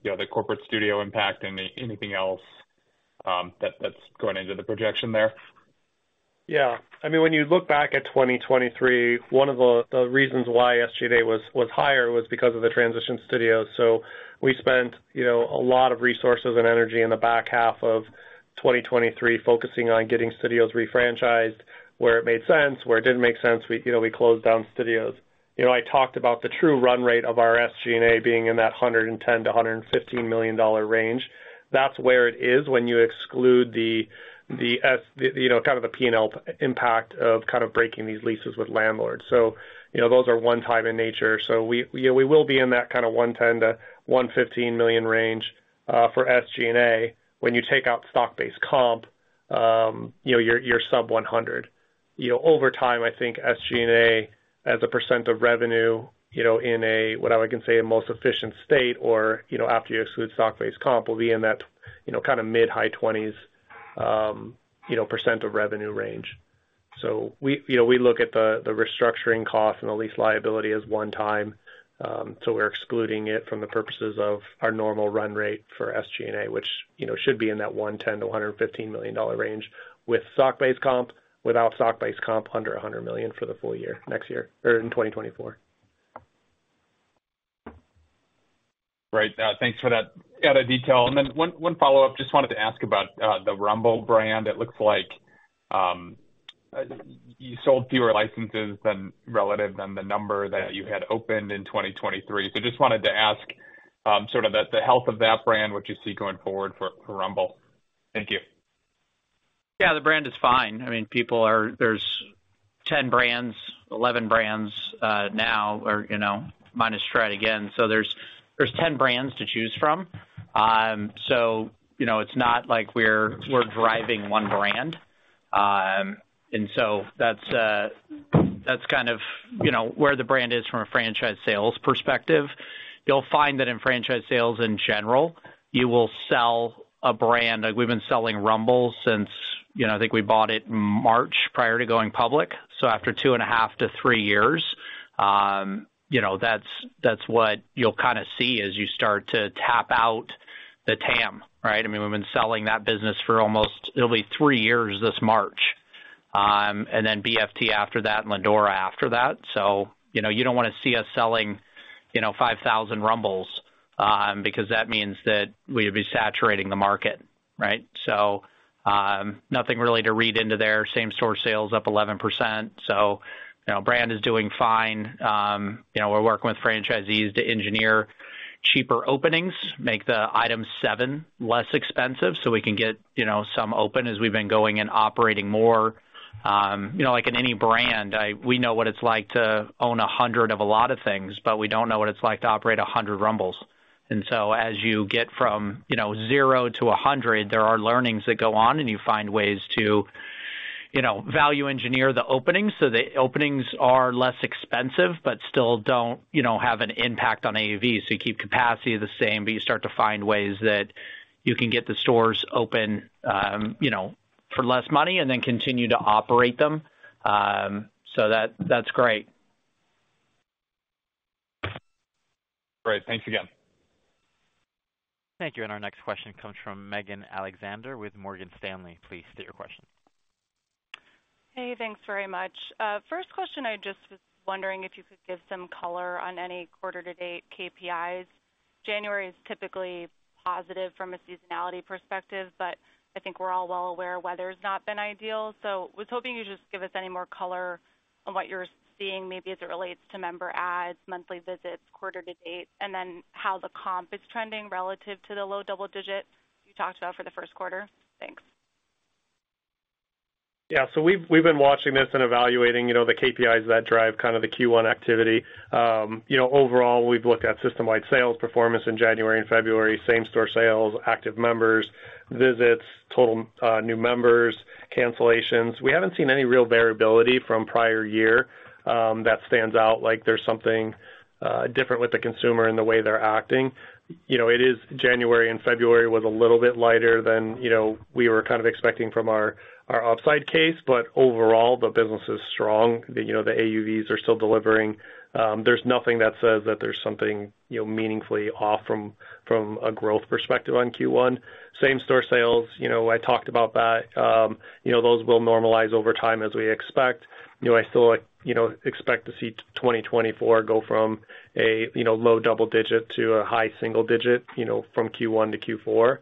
the corporate studio impact, and anything else that's going into the projection there? Yeah. I mean, when you look back at 2023, one of the reasons why SG&A was higher was because of the transition studios. So we spent a lot of resources and energy in the back half of 2023 focusing on getting studios refranchised where it made sense. Where it didn't make sense, we closed down studios. I talked about the true run rate of our SG&A being in that $110 million-$115 million range. That's where it is when you exclude the kind of the P&L impact of kind of breaking these leases with landlords. So those are one-time in nature. So we will be in that kind of $110 million-$115 million range for SG&A. When you take out stock-based comp, you're sub-$100 million. Over time, I think SG&A, as a percent of revenue in a, what I can say, most efficient state or after you exclude stock-based comp, will be in that kind of mid-high 20s% of revenue range. So we look at the restructuring cost and the lease liability as one-time. So we're excluding it from the purposes of our normal run-rate for SG&A, which should be in that $110 million-$115 million range with stock-based comp, without stock-based comp, under $100 million for the full year next year or in 2024. Great. Thanks for that kind of detail. And then one follow-up. Just wanted to ask about the Rumble brand. It looks like you sold fewer licenses relative than the number that you had opened in 2023. So just wanted to ask sort of the health of that brand, what you see going forward for Rumble. Thank you. Yeah. The brand is fine. I mean, there's 10 brands, 11 brands now minus Stride again. So there's 10 brands to choose from. So it's not like we're driving one brand. And so that's kind of where the brand is from a franchise sales perspective. You'll find that in franchise sales in general, you will sell a brand we've been selling Rumble since I think we bought it in March prior to going public. So after 2.5-3 years, that's what you'll kind of see as you start to tap out the TAM, right? I mean, we've been selling that business for almost it'll be 3 years this March, and then BFT after that, Lindora after that. So you don't want to see us selling 5,000 Rumbles because that means that we'd be saturating the market, right? So nothing really to read into there. Same-store sales up 11%. So brand is doing fine. We're working with franchisees to engineer cheaper openings, make the Item 7 less expensive so we can get some open as we've been going and operating more. Like in any brand, we know what it's like to own 100 of a lot of things, but we don't know what it's like to operate 100 Rumbles. And so as you get from 0 to 100, there are learnings that go on, and you find ways to value engineer the openings so the openings are less expensive but still don't have an impact on AUV. So you keep capacity the same, but you start to find ways that you can get the stores open for less money and then continue to operate them. So that's great. Great. Thanks again. Thank you. Our next question comes from Megan Alexander with Morgan Stanley. Please state your question. Hey. Thanks very much. First question, I just was wondering if you could give some color on any quarter-to-date KPIs. January is typically positive from a seasonality perspective, but I think we're all well aware weather's not been ideal. So I was hoping you'd just give us any more color on what you're seeing, maybe as it relates to member ads, monthly visits, quarter-to-date, and then how the comp is trending relative to the low double digit you talked about for the first quarter. Thanks. Yeah. So we've been watching this and evaluating the KPIs that drive kind of the Q1 activity. Overall, we've looked at System-Wide Sales performance in January and February, Same-Store Sales, active members, visits, total new members, cancellations. We haven't seen any real variability from prior year that stands out like there's something different with the consumer and the way they're acting. It is January and February was a little bit lighter than we were kind of expecting from our upside case. But overall, the business is strong. The AUVs are still delivering. There's nothing that says that there's something meaningfully off from a growth perspective on Q1. Same-Store Sales, I talked about that. Those will normalize over time as we expect. I still expect to see 2024 go from a low double digit to a high single digit from Q1 to Q4.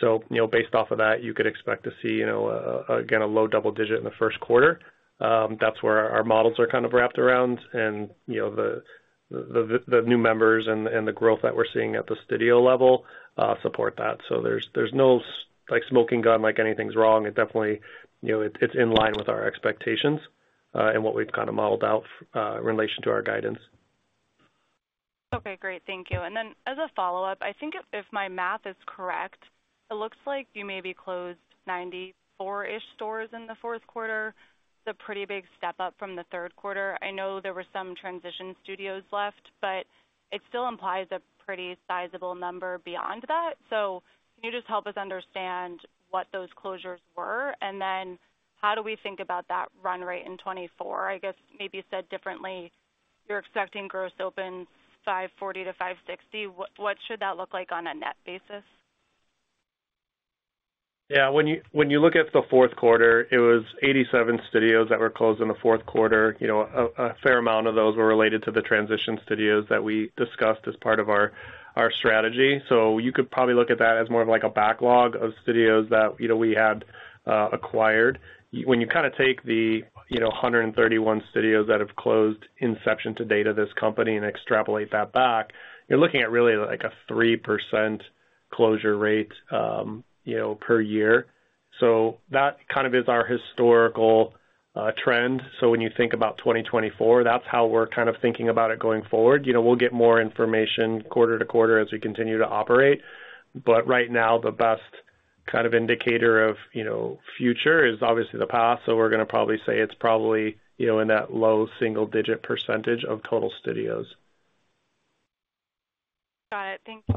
So based off of that, you could expect to see, again, a low double digit in the first quarter. That's where our models are kind of wrapped around. And the new members and the growth that we're seeing at the studio level support that. So there's no smoking gun like anything's wrong. It definitely is in line with our expectations and what we've kind of modeled out in relation to our guidance. Okay. Great. Thank you. And then as a follow-up, I think if my math is correct, it looks like you maybe closed 94-ish stores in the fourth quarter. It's a pretty big step up from the third quarter. I know there were some transition studios left, but it still implies a pretty sizable number beyond that. So can you just help us understand what those closures were? And then how do we think about that run rate in 2024? I guess maybe said differently, you're expecting gross opens 540-560. What should that look like on a net basis? Yeah. When you look at the fourth quarter, it was 87 studios that were closed in the fourth quarter. A fair amount of those were related to the transition studios that we discussed as part of our strategy. So you could probably look at that as more of a backlog of studios that we had acquired. When you kind of take the 131 studios that have closed inception to date of this company and extrapolate that back, you're looking at really a 3% closure rate per year. So that kind of is our historical trend. So when you think about 2024, that's how we're kind of thinking about it going forward. We'll get more information quarter to quarter as we continue to operate. But right now, the best kind of indicator of future is obviously the past. We're going to probably say it's probably in that low single-digit % of total studios. Got it. Thank you.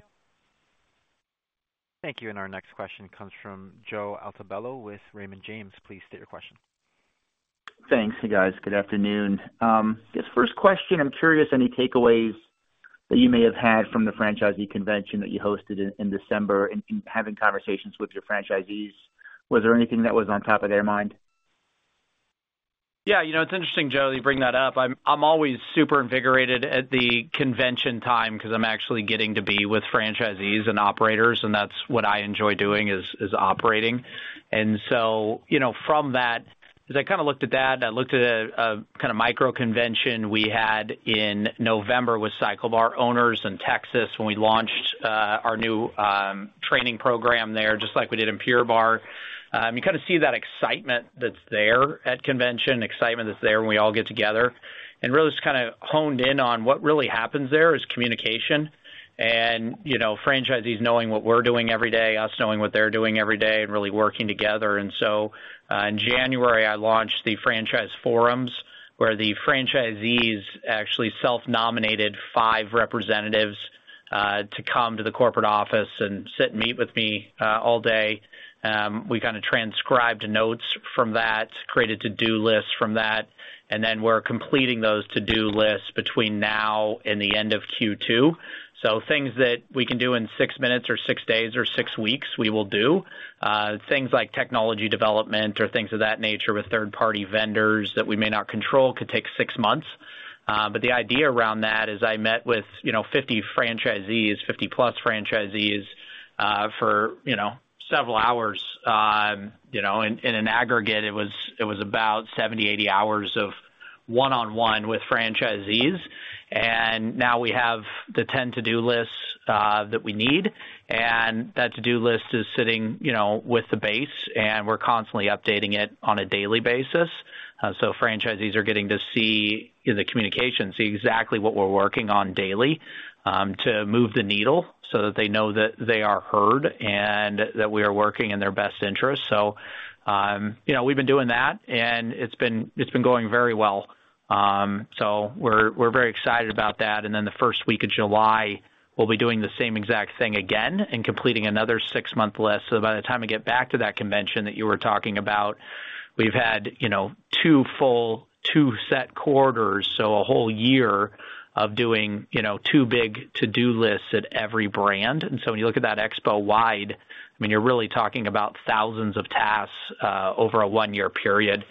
Thank you. Our next question comes from Joe Altobello with Raymond James. Please state your question. Thanks, you guys. Good afternoon. I guess first question, I'm curious any takeaways that you may have had from the franchisee convention that you hosted in December and having conversations with your franchisees. Was there anything that was on top of their mind? Yeah. It's interesting, Joe, that you bring that up. I'm always super invigorated at the convention time because I'm actually getting to be with franchisees and operators. That's what I enjoy doing is operating. So from that, as I kind of looked at that, I looked at a kind of micro-convention we had in November with CycleBar owners in Texas when we launched our new training program there just like we did in Pure Barre. You kind of see that excitement that's there at convention, excitement that's there when we all get together. Really just kind of honed in on what really happens there is communication and franchisees knowing what we're doing every day, us knowing what they're doing every day, and really working together. So in January, I launched the franchise forums where the franchisees actually self-nominated 5 representatives to come to the corporate office and sit and meet with me all day. We kind of transcribed notes from that, created to-do lists from that. Then we're completing those to-do lists between now and the end of Q2. So things that we can do in 6 minutes or 6 days or 6 weeks, we will do. Things like technology development or things of that nature with third-party vendors that we may not control could take 6 months. But the idea around that is I met with 50 franchisees, 50-plus franchisees for several hours. In an aggregate, it was about 70-80 hours of one-on-one with franchisees. And now we have the 10 to-do lists that we need. And that to-do list is sitting with the base, and we're constantly updating it on a daily basis. So franchisees are getting to see the communication, see exactly what we're working on daily to move the needle so that they know that they are heard and that we are working in their best interest. So we've been doing that, and it's been going very well. So we're very excited about that. And then the first week of July, we'll be doing the same exact thing again and completing another six-month list. So by the time I get back to that convention that you were talking about, we've had two full, two-set quarters, so a whole year of doing two big to-do lists at every brand. And so when you look at that Xponential-wide, I mean, you're really talking about thousands of tasks over a one-year period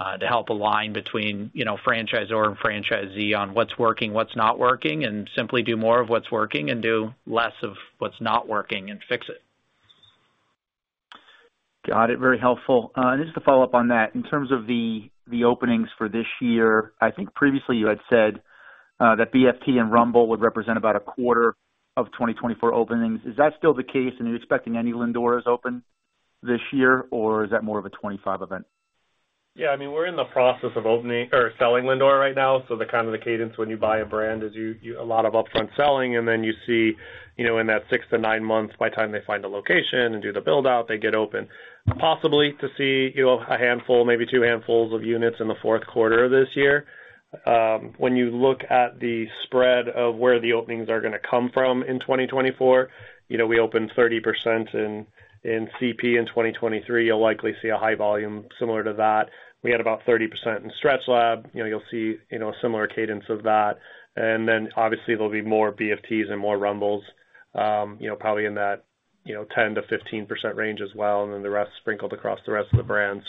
to help align between franchisor and franchisee on what's working, what's not working, and simply do more of what's working and do less of what's not working and fix it. Got it. Very helpful. And just to follow up on that, in terms of the openings for this year, I think previously you had said that BFT and Rumble would represent about a quarter of 2024 openings. Is that still the case? And are you expecting any Lindora open this year, or is that more of a 2025 event? Yeah. I mean, we're in the process of opening or selling Lindora right now. So the kind of the cadence when you buy a brand is a lot of upfront selling. And then you see in that 6-9 months, by the time they find a location and do the build-out, they get open. Possibly to see a handful, maybe two handfuls of units in the fourth quarter of this year. When you look at the spread of where the openings are going to come from in 2024, we opened 30% in CP in 2023. You'll likely see a high volume similar to that. We had about 30% in StretchLab. You'll see a similar cadence of that. And then obviously, there'll be more BFTs and more Rumbles probably in that 10%-15% range as well, and then the rest sprinkled across the rest of the brand.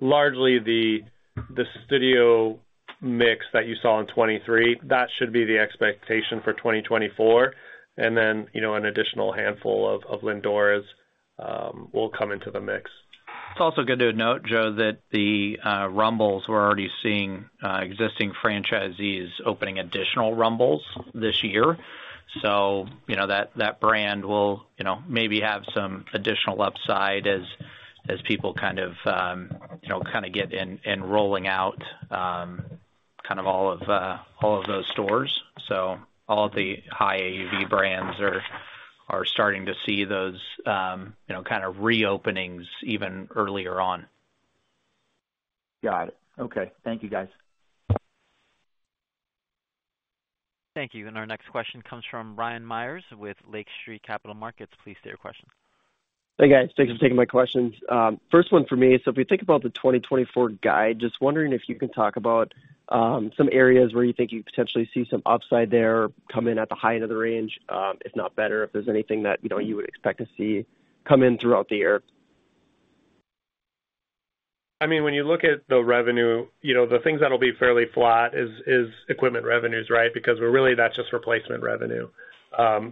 Largely, the studio mix that you saw in 2023, that should be the expectation for 2024. Then an additional handful of Lindoras will come into the mix. It's also good to note, Joe, that the Rumbles we're already seeing existing franchisees opening additional Rumbles this year. So that brand will maybe have some additional upside as people kind of kind of get in rolling out kind of all of those stores. So all of the high AUV brands are starting to see those kind of reopenings even earlier on. Got it. Okay. Thank you, guys. Thank you. And our next question comes from Ryan Meyers with Lake Street Capital Markets. Please state your question. Hey, guys. Thanks for taking my questions. First one for me. So if you think about the 2024 guide, just wondering if you can talk about some areas where you think you potentially see some upside there come in at the high end of the range, if not better, if there's anything that you would expect to see come in throughout the year. I mean, when you look at the revenue, the things that'll be fairly flat is equipment revenues, right? Because really, that's just replacement revenue.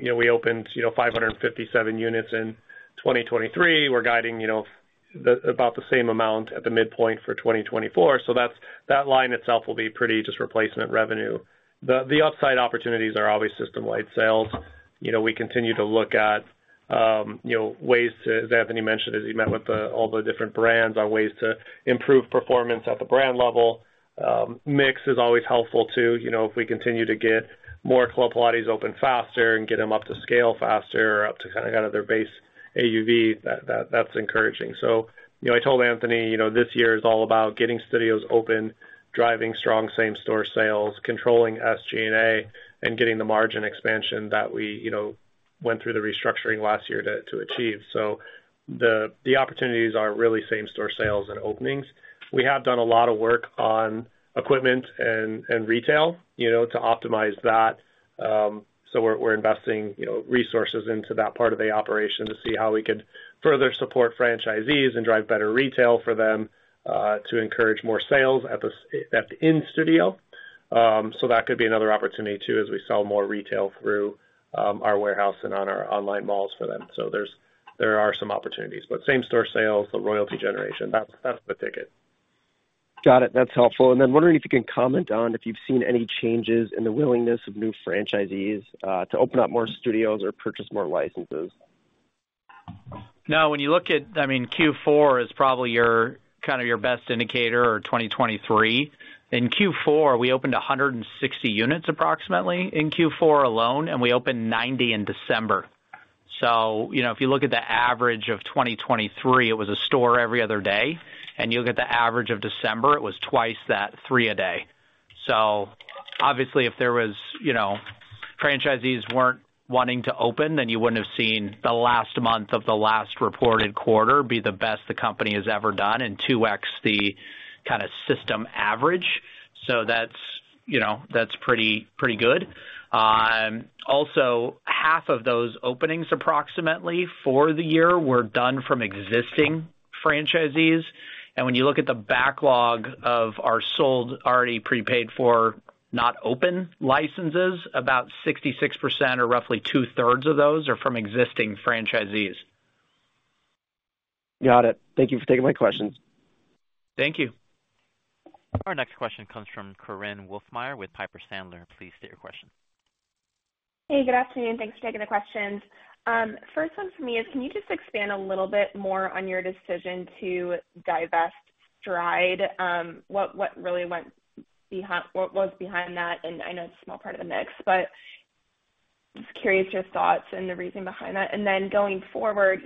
We opened 557 units in 2023. We're guiding about the same amount at the midpoint for 2024. So that line itself will be pretty just replacement revenue. The upside opportunities are always system-wide sales. We continue to look at ways to, as Anthony mentioned, as he met with all the different brands, are ways to improve performance at the brand level. Mix is always helpful too. If we continue to get more Club Pilates open faster and get them up to scale faster or up to kind of get out of their base AUV, that's encouraging. So I told Anthony, this year is all about getting studios open, driving strong same-store sales, controlling SG&A, and getting the margin expansion that we went through the restructuring last year to achieve. So the opportunities are really same-store sales and openings. We have done a lot of work on equipment and retail to optimize that. So we're investing resources into that part of the operation to see how we could further support franchisees and drive better retail for them to encourage more sales at the in-studio. So that could be another opportunity too as we sell more retail through our warehouse and on our online malls for them. So there are some opportunities. But same-store sales, the royalty generation, that's the ticket. Got it. That's helpful. And then wondering if you can comment on if you've seen any changes in the willingness of new franchisees to open up more studios or purchase more licenses? Now, when you look at, I mean, Q4 is probably kind of your best indicator or 2023. In Q4, we opened 160 units approximately in Q4 alone, and we opened 90 in December. So if you look at the average of 2023, it was a store every other day. And you look at the average of December, it was twice that, three a day. So obviously, if there was franchisees weren't wanting to open, then you wouldn't have seen the last month of the last reported quarter be the best the company has ever done and 2X the kind of system average. So that's pretty good. Also, half of those openings approximately for the year were done from existing franchisees. And when you look at the backlog of our sold, already prepaid-for-not-open licenses, about 66% or roughly two-thirds of those are from existing franchisees. Got it. Thank you for taking my questions. Thank you. Our next question comes from Korinne Wolfmeyer with Piper Sandler. Please state your question. Hey. Good afternoon. Thanks for taking the questions. First one for me is, can you just expand a little bit more on your decision to divest Stride? What really went behind what was behind that? And I know it's a small part of the mix, but I'm just curious your thoughts and the reasoning behind that. And then going forward,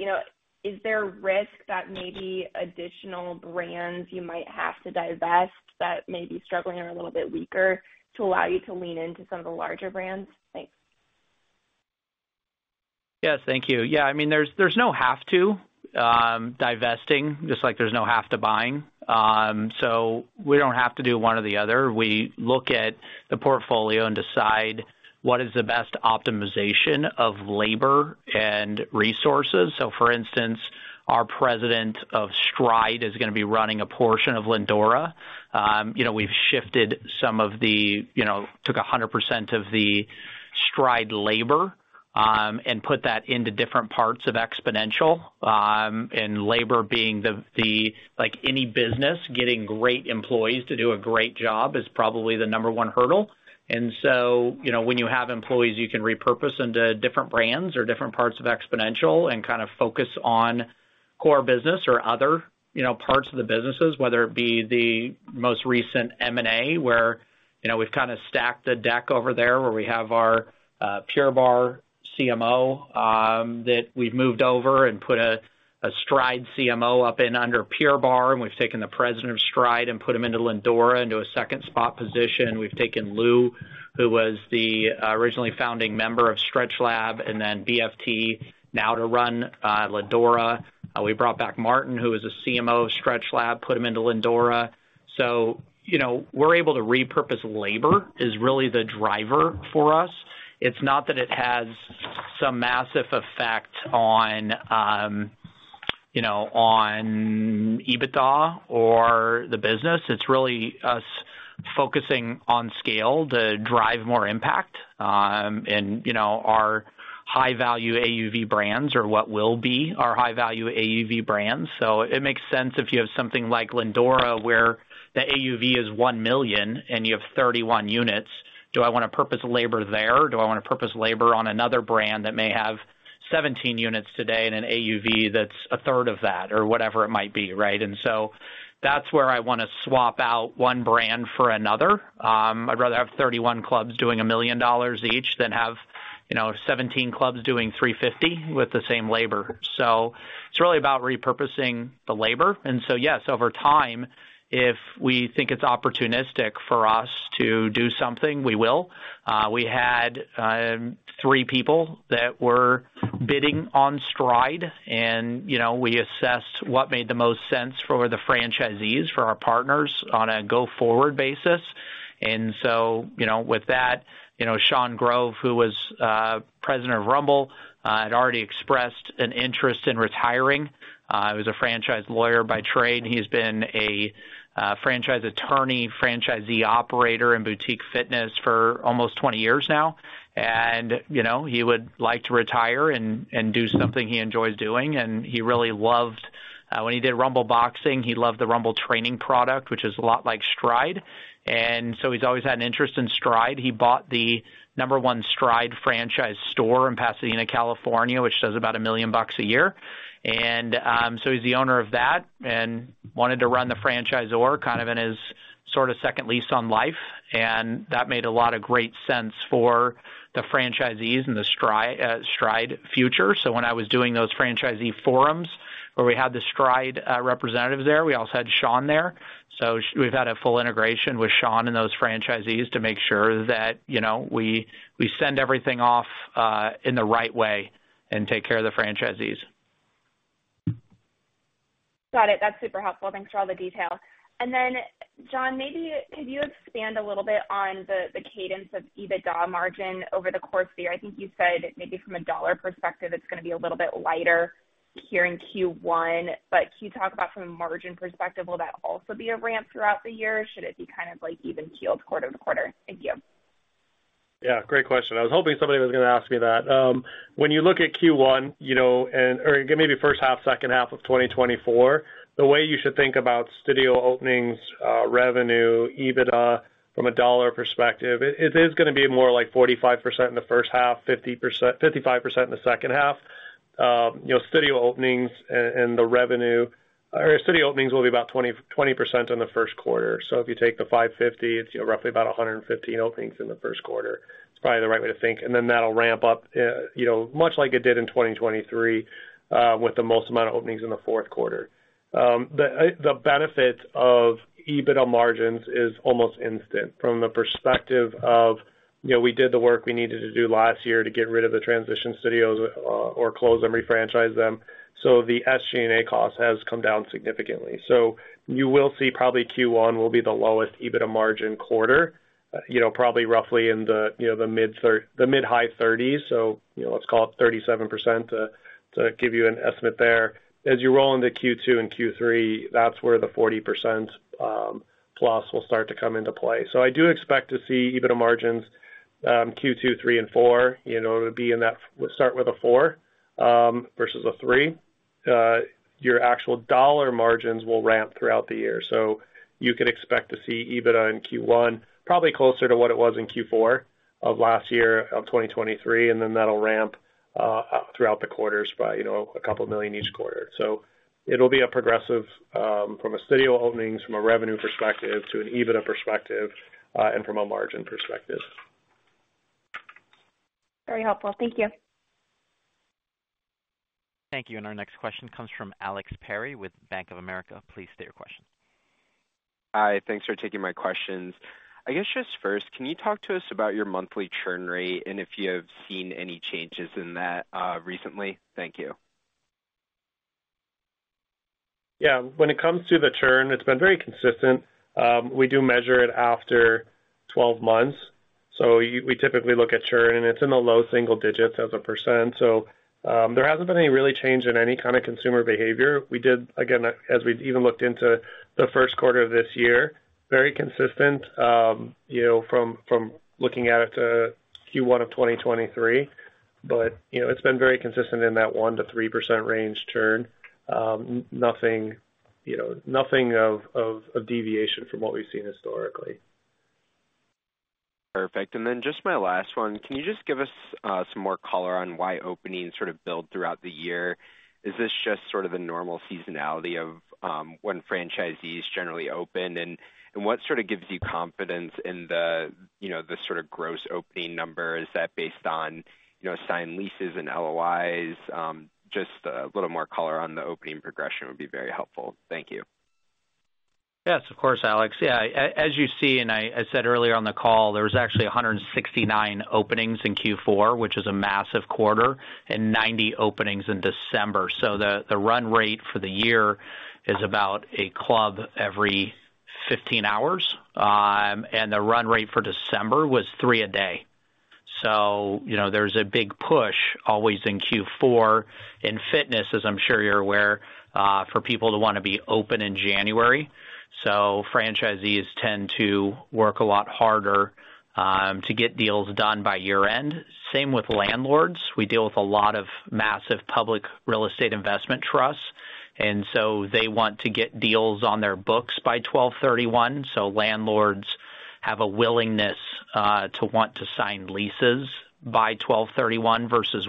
is there risk that maybe additional brands you might have to divest that may be struggling or a little bit weaker to allow you to lean into some of the larger brands? Thanks. Yes. Thank you. Yeah. I mean, there's no have-to divesting, just like there's no have-to-buying. So we don't have to do one or the other. We look at the portfolio and decide what is the best optimization of labor and resources. So for instance, our president of Stride is going to be running a portion of Lindora. We've shifted some of the took 100% of the Stride labor and put that into different parts of Xponential. And labor being the any business getting great employees to do a great job is probably the number one hurdle. And so when you have employees, you can repurpose into different brands or different parts of Xponential and kind of focus on core business or other parts of the businesses, whether it be the most recent M&A where we've kind of stacked the deck over there where we have our Pure Barre CMO that we've moved over and put a Stride CMO up under Pure Barre. And we've taken the president of Stride and put him into Lindora into a second spot position. We've taken Lou, who was the originally founding member of StretchLab and then BFT, now to run Lindora. We brought back Martin, who was a CMO of StretchLab, put him into Lindora. So we're able to repurpose labor is really the driver for us. It's not that it has some massive effect on EBITDA or the business. It's really us focusing on scale to drive more impact. Our high-value AUV brands are what will be our high-value AUV brands. So it makes sense if you have something like Lindora where the AUV is $1 million and you have 31 units. Do I want to purpose labor there? Do I want to purpose labor on another brand that may have 17 units today in an AUV that's a third of that or whatever it might be, right? And so that's where I want to swap out one brand for another. I'd rather have 31 clubs doing $1 million each than have 17 clubs doing $350,000 with the same labor. So it's really about repurposing the labor. And so yes, over time, if we think it's opportunistic for us to do something, we will. We had three people that were bidding on Stride, and we assessed what made the most sense for the franchisees, for our partners, on a go-forward basis. So with that, Shaun Grove, who was president of Rumble, had already expressed an interest in retiring. He was a franchise lawyer by trade. He's been a franchise attorney, franchisee operator in boutique fitness for almost 20 years now. And he would like to retire and do something he enjoys doing. And he really loved when he did Rumble Boxing, he loved the Rumble training product, which is a lot like Stride. So he's always had an interest in Stride. He bought the number one Stride franchise store in Pasadena, California, which does about $1 million a year. So he's the owner of that and wanted to run the franchisor kind of in his sort of second lease on life. That made a lot of great sense for the franchisees and the Stride future. When I was doing those franchisee forums where we had the Stride representatives there, we also had Shaun there. We've had a full integration with Shaun and those franchisees to make sure that we send everything off in the right way and take care of the franchisees. Got it. That's super helpful. Thanks for all the detail. And then, John, maybe could you expand a little bit on the cadence of EBITDA margin over the course of the year? I think you said maybe from a dollar perspective, it's going to be a little bit lighter here in Q1. But can you talk about from a margin perspective, will that also be a ramp throughout the year? Should it be kind of even-keeled quarter to quarter? Thank you. Yeah. Great question. I was hoping somebody was going to ask me that. When you look at Q1 or maybe first half, second half of 2024, the way you should think about studio openings, revenue, EBITDA from a dollar perspective, it is going to be more like 45% in the first half, 55% in the second half. Studio openings and the revenue or studio openings will be about 20% in the first quarter. So if you take the 550, it's roughly about 115 openings in the first quarter. It's probably the right way to think. And then that'll ramp up much like it did in 2023 with the most amount of openings in the fourth quarter. The benefit of EBITDA margins is almost instant. From the perspective of we did the work we needed to do last year to get rid of the transition studios or close them, refranchise them. So the SG&A cost has come down significantly. So you will see probably Q1 will be the lowest EBITDA margin quarter, probably roughly in the mid-high 30s. So let's call it 37% to give you an estimate there. As you roll into Q2 and Q3, that's where the 40%+ will start to come into play. So I do expect to see EBITDA margins Q2, Q3, and Q4. It'll be in that we'll start with a 4 versus a 3. Your actual dollar margins will ramp throughout the year. So you could expect to see EBITDA in Q1 probably closer to what it was in Q4 of last year, of 2023. And then that'll ramp throughout the quarters by $2 million each quarter. So it'll be a progressive from a studio openings, from a revenue perspective, to an EBITDA perspective, and from a margin perspective. Very helpful. Thank you. Thank you. Our next question comes from Alex Perry with Bank of America. Please state your question. Hi. Thanks for taking my questions. I guess just first, can you talk to us about your monthly churn rate and if you have seen any changes in that recently? Thank you. Yeah. When it comes to the churn, it's been very consistent. We do measure it after 12 months. So we typically look at churn, and it's in the low single digits as a %. So there hasn't been any really change in any kind of consumer behavior. Again, as we even looked into the first quarter of this year, very consistent from looking at it to Q1 of 2023. But it's been very consistent in that 1%-3% range churn. Nothing of deviation from what we've seen historically. Perfect. Then just my last one, can you just give us some more color on why openings sort of build throughout the year? Is this just sort of the normal seasonality of when franchisees generally open? And what sort of gives you confidence in the sort of gross opening numbers? Is that based on signed leases and LOIs? Just a little more color on the opening progression would be very helpful. Thank you. Yes. Of course, Alex. Yeah. As you see, and I said earlier on the call, there was actually 169 openings in Q4, which is a massive quarter, and 90 openings in December. So the run rate for the year is about a club every 15 hours. And the run rate for December was 3 a day. So there's a big push always in Q4 in fitness, as I'm sure you're aware, for people to want to be open in January. So franchisees tend to work a lot harder to get deals done by year-end. Same with landlords. We deal with a lot of massive public real estate investment trusts. And so they want to get deals on their books by 12/31. So landlords have a willingness to want to sign leases by 12/31 versus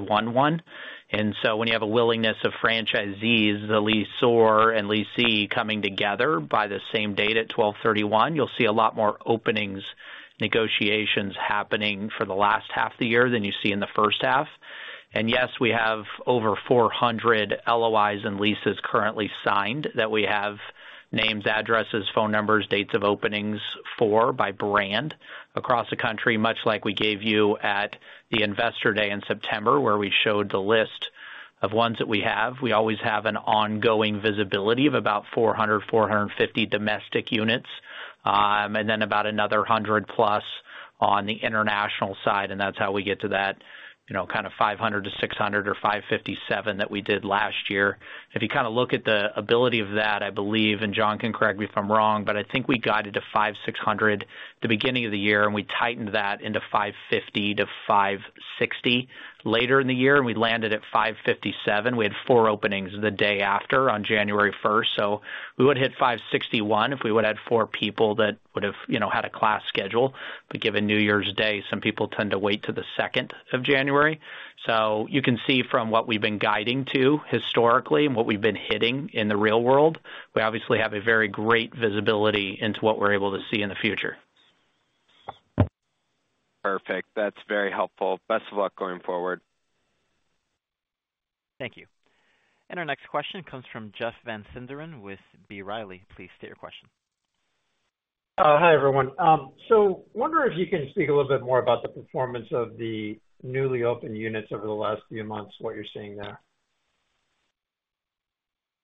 1/1. So when you have a willingness of franchisees, the lessor and lessee coming together by the same date at 12/31, you'll see a lot more opening negotiations happening for the last half of the year than you see in the first half. Yes, we have over 400 LOIs and leases currently signed that we have names, addresses, phone numbers, dates of openings for by brand across the country, much like we gave you at the investor day in September where we showed the list of ones that we have. We always have an ongoing visibility of about 400, 450 domestic units, and then about another 100-plus on the international side. That's how we get to that kind of 500-600 or 557 that we did last year. If you kind of look at the ability of that, I believe, and John can correct me if I'm wrong, but I think we got it to 5,600 the beginning of the year, and we tightened that into 550-560 later in the year. We landed at 557. We had 4 openings the day after on January 1st. So we would hit 561 if we would have 4 people that would have had a class schedule. But given New Year's Day, some people tend to wait to the 2nd of January. So you can see from what we've been guiding to historically and what we've been hitting in the real world, we obviously have a very great visibility into what we're able to see in the future. Perfect. That's very helpful. Best of luck going forward. Thank you. Our next question comes from Jeff Van Sinderen with B. Riley. Please state your question. Hi, everyone. So, wonder if you can speak a little bit more about the performance of the newly opened units over the last few months, what you're seeing there?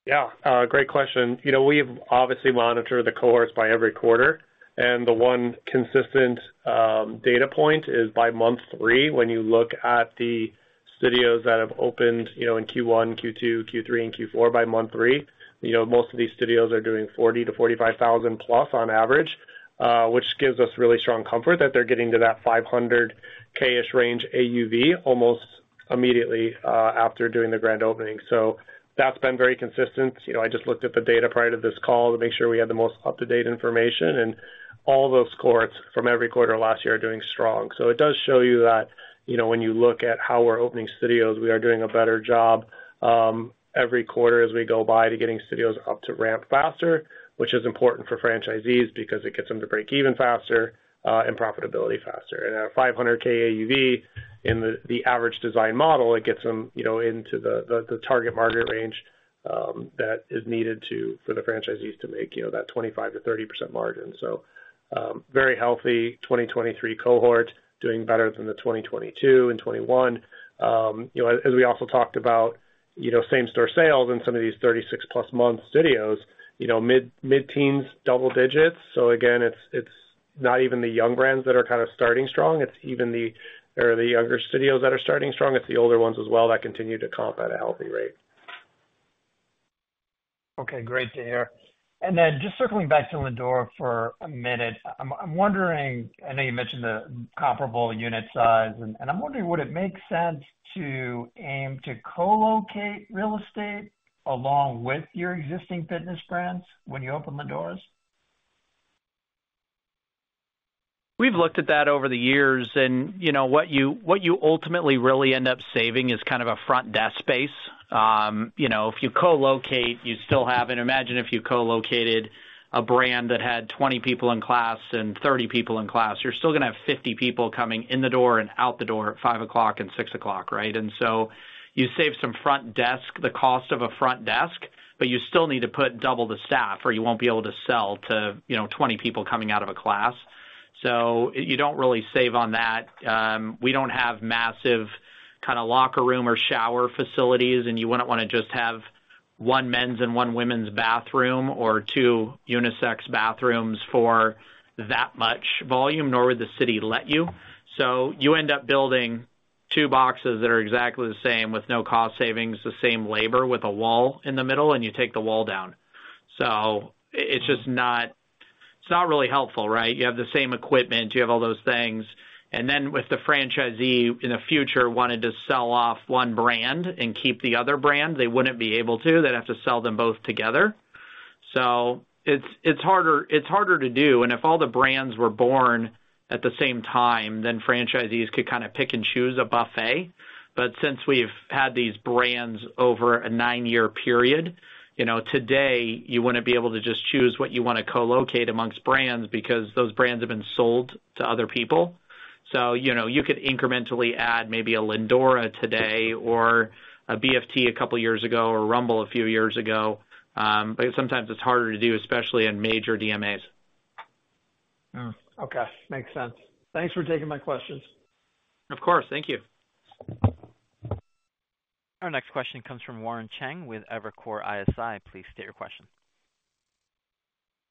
Yeah. Great question. We have obviously monitored the cohorts by every quarter. The one consistent data point is by month 3 when you look at the studios that have opened in Q1, Q2, Q3, and Q4 by month 3. Most of these studios are doing $40,000-$45,000+ on average, which gives us really strong comfort that they're getting to that $500,000-ish range AUV almost immediately after doing the grand opening. That's been very consistent. I just looked at the data prior to this call to make sure we had the most up-to-date information. All those cohorts from every quarter last year are doing strong. So it does show you that when you look at how we're opening studios, we are doing a better job every quarter as we go by to getting studios up to ramp faster, which is important for franchisees because it gets them to break even faster and profitability faster. And at a $500K AUV in the average design model, it gets them into the target market range that is needed for the franchisees to make that 25%-30% margin. So very healthy 2023 cohort doing better than the 2022 and 2021. As we also talked about, same-store sales in some of these 36+-month studios, mid-teens, double digits. So again, it's not even the young brands that are kind of starting strong. It's even the younger studios that are starting strong. It's the older ones as well that continue to comp at a healthy rate. Okay. Great to hear. And then just circling back to Lindora for a minute, I'm wondering I know you mentioned the comparable unit size. And I'm wondering would it make sense to aim to collocate real estate along with your existing fitness brands when you open Lindoras? We've looked at that over the years. What you ultimately really end up saving is kind of a front desk space. If you collocate, you still have and imagine if you collocated a brand that had 20 people in class and 30 people in class, you're still going to have 50 people coming in the door and out the door at 5 o'clock and 6 o'clock, right? You save some front desk, the cost of a front desk, but you still need to put double the staff or you won't be able to sell to 20 people coming out of a class. So you don't really save on that. We don't have massive kind of locker room or shower facilities. You wouldn't want to just have one men's and one women's bathroom or two unisex bathrooms for that much volume, nor would the city let you. So you end up building two boxes that are exactly the same with no cost savings, the same labor with a wall in the middle, and you take the wall down. So it's just not really helpful, right? You have the same equipment. You have all those things. And then if the franchisee in the future wanted to sell off one brand and keep the other brand, they wouldn't be able to. They'd have to sell them both together. So it's harder to do. And if all the brands were born at the same time, then franchisees could kind of pick and choose a buffet. But since we've had these brands over a 9-year period, today, you wouldn't be able to just choose what you want to collocate amongst brands because those brands have been sold to other people. So you could incrementally add maybe a Lindora today or a BFT a couple of years ago or Rumble a few years ago. But sometimes it's harder to do, especially in major DMAs. Okay. Makes sense. Thanks for taking my questions. Of course. Thank you. Our next question comes from Warren Cheng with Evercore ISI. Please state your question.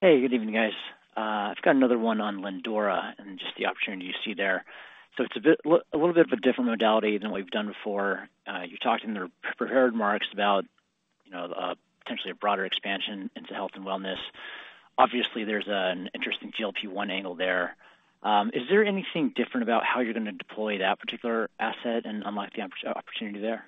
Hey. Good evening, guys. I've got another one on Lindora and just the opportunity you see there. So it's a little bit of a different modality than what we've done before. You talked in the prepared remarks about potentially a broader expansion into health and wellness. Obviously, there's an interesting GLP-1 angle there. Is there anything different about how you're going to deploy that particular asset and unlock the opportunity there?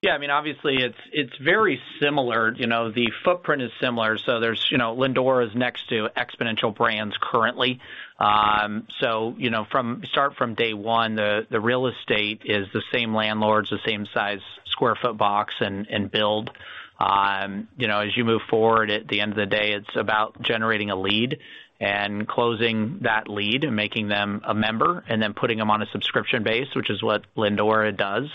Yeah. I mean, obviously, it's very similar. The footprint is similar. So Lindora is next to Xponential brands currently. So start from day one, the real estate is the same landlords, the same size square foot box and build. As you move forward, at the end of the day, it's about generating a lead and closing that lead and making them a member and then putting them on a subscription base, which is what Lindora does.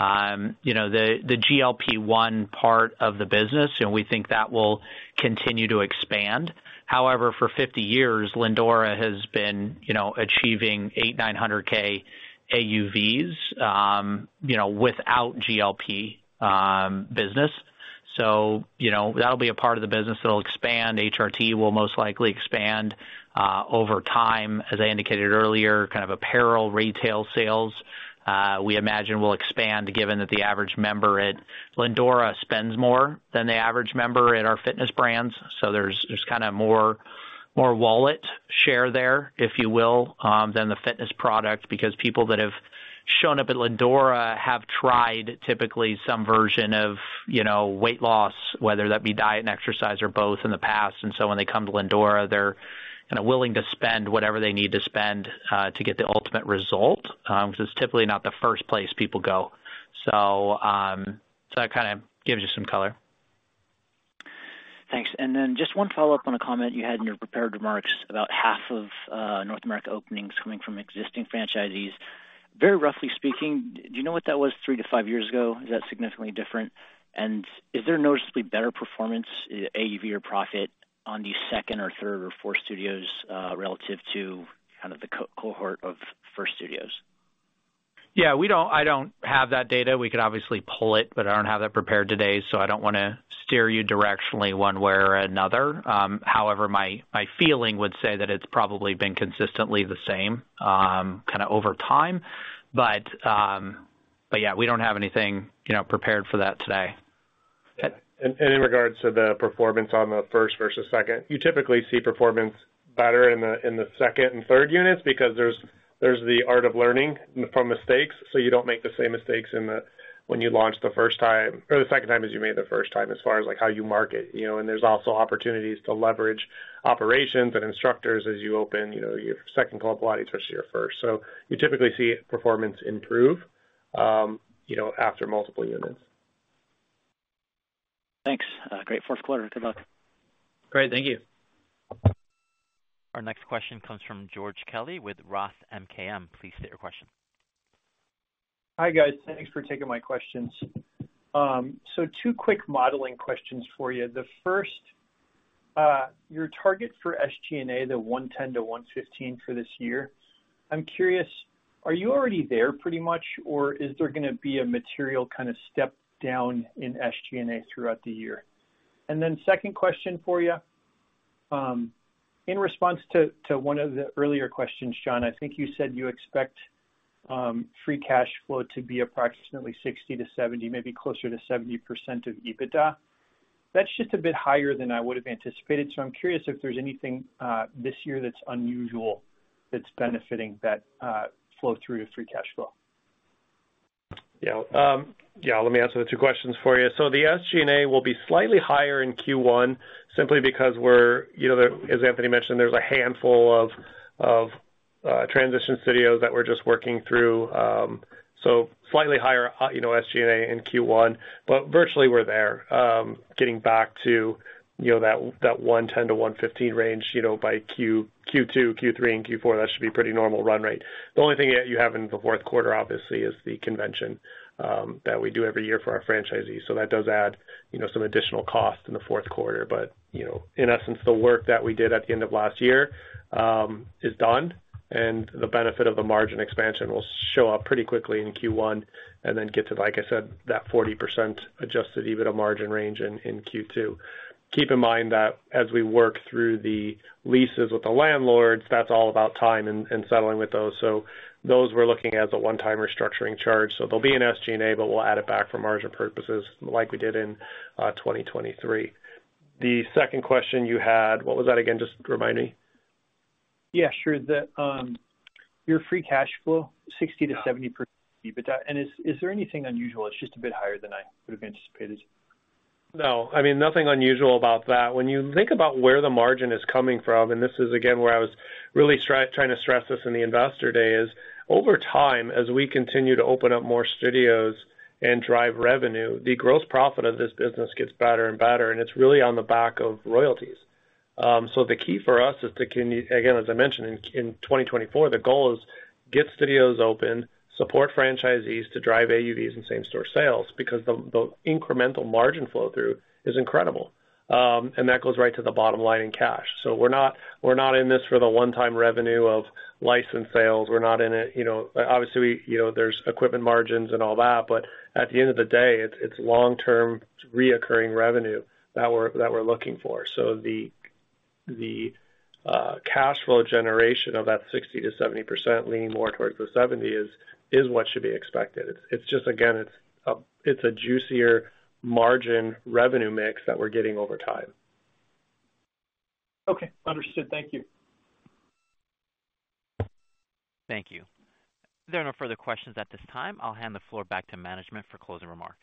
The GLP-1 part of the business, we think that will continue to expand. However, for 50 years, Lindora has been achieving $800K-$900K AUVs without GLP business. So that'll be a part of the business that'll expand. HRT will most likely expand over time, as I indicated earlier, kind of apparel, retail sales. We imagine we'll expand given that the average member at Lindora spends more than the average member at our fitness brands. So there's kind of more wallet share there, if you will, than the fitness product because people that have shown up at Lindora have tried typically some version of weight loss, whether that be diet and exercise or both in the past. And so when they come to Lindora, they're kind of willing to spend whatever they need to spend to get the ultimate result because it's typically not the first place people go. So that kind of gives you some color. Thanks. And then just one follow-up on a comment you had in your prepared remarks about half of North America openings coming from existing franchisees. Very roughly speaking, do you know what that was 3-5 years ago? Is that significantly different? And is there noticeably better performance, AUV or profit, on the second or third or fourth studios relative to kind of the cohort of first studios? Yeah. I don't have that data. We could obviously pull it, but I don't have that prepared today. So I don't want to steer you directionally one way or another. However, my feeling would say that it's probably been consistently the same kind of over time. But yeah, we don't have anything prepared for that today. In regards to the performance on the first versus second, you typically see performance better in the second and third units because there's the art of learning from mistakes. You don't make the same mistakes when you launch the first time or the second time as you made the first time as far as how you market. There's also opportunities to leverage operations and instructors as you open your second club a lot especially your first. You typically see performance improve after multiple units. Thanks. Great fourth quarter. Good luck. Great. Thank you. Our next question comes from George Kelly with Roth MKM. Please state your question. Hi, guys. Thanks for taking my questions. Two quick modeling questions for you. The first, your target for SG&A, the $110-$115 for this year, I'm curious, are you already there pretty much, or is there going to be a material kind of step down in SG&A throughout the year? Then second question for you. In response to one of the earlier questions, John, I think you said you expect free cash flow to be approximately 60%-70%, maybe closer to 70% of EBITDA. That's just a bit higher than I would have anticipated. I'm curious if there's anything this year that's unusual that's benefiting that flow-through to free cash flow. Yeah. Yeah. Let me answer the two questions for you. So the SG&A will be slightly higher in Q1 simply because we're, as Anthony mentioned, there's a handful of transition studios that we're just working through. So slightly higher SG&A in Q1, but virtually, we're there. Getting back to that 110-115 range by Q2, Q3, and Q4, that should be pretty normal run rate. The only thing yet you have in the fourth quarter, obviously, is the convention that we do every year for our franchisees. So that does add some additional cost in the fourth quarter. But in essence, the work that we did at the end of last year is done. And the benefit of the margin expansion will show up pretty quickly in Q1 and then get to, like I said, that 40% Adjusted EBITDA margin range in Q2. Keep in mind that as we work through the leases with the landlords, that's all about time and settling with those. So those we're looking at as a one-time restructuring charge. So they'll be in SG&A, but we'll add it back for margin purposes like we did in 2023. The second question you had, what was that again? Just remind me. Yeah. Sure. Your free cash flow. 60%-70% EBITDA. And is there anything unusual? It's just a bit higher than I would have anticipated. No. I mean, nothing unusual about that. When you think about where the margin is coming from and this is, again, where I was really trying to stress this in the investor day is over time, as we continue to open up more studios and drive revenue, the gross profit of this business gets better and better. And it's really on the back of royalties. So the key for us is to again, as I mentioned, in 2024, the goal is get studios open, support franchisees to drive AUVs and same-store sales because the incremental margin flow-through is incredible. And that goes right to the bottom line in cash. So we're not in this for the one-time revenue of license sales. We're not in it obviously, there's equipment margins and all that. But at the end of the day, it's long-term recurring revenue that we're looking for. The cash flow generation of that 60%-70% leaning more towards the 70 is what should be expected. Again, it's a juicier margin revenue mix that we're getting over time. Okay. Understood. Thank you. Thank you. There are no further questions at this time. I'll hand the floor back to management for closing remarks.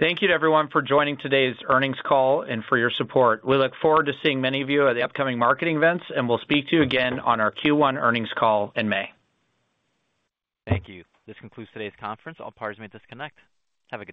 Thank you to everyone for joining today's earnings call and for your support. We look forward to seeing many of you at the upcoming marketing events. We'll speak to you again on our Q1 earnings call in May. Thank you. This concludes today's conference. I'll now disconnect. Have a good day.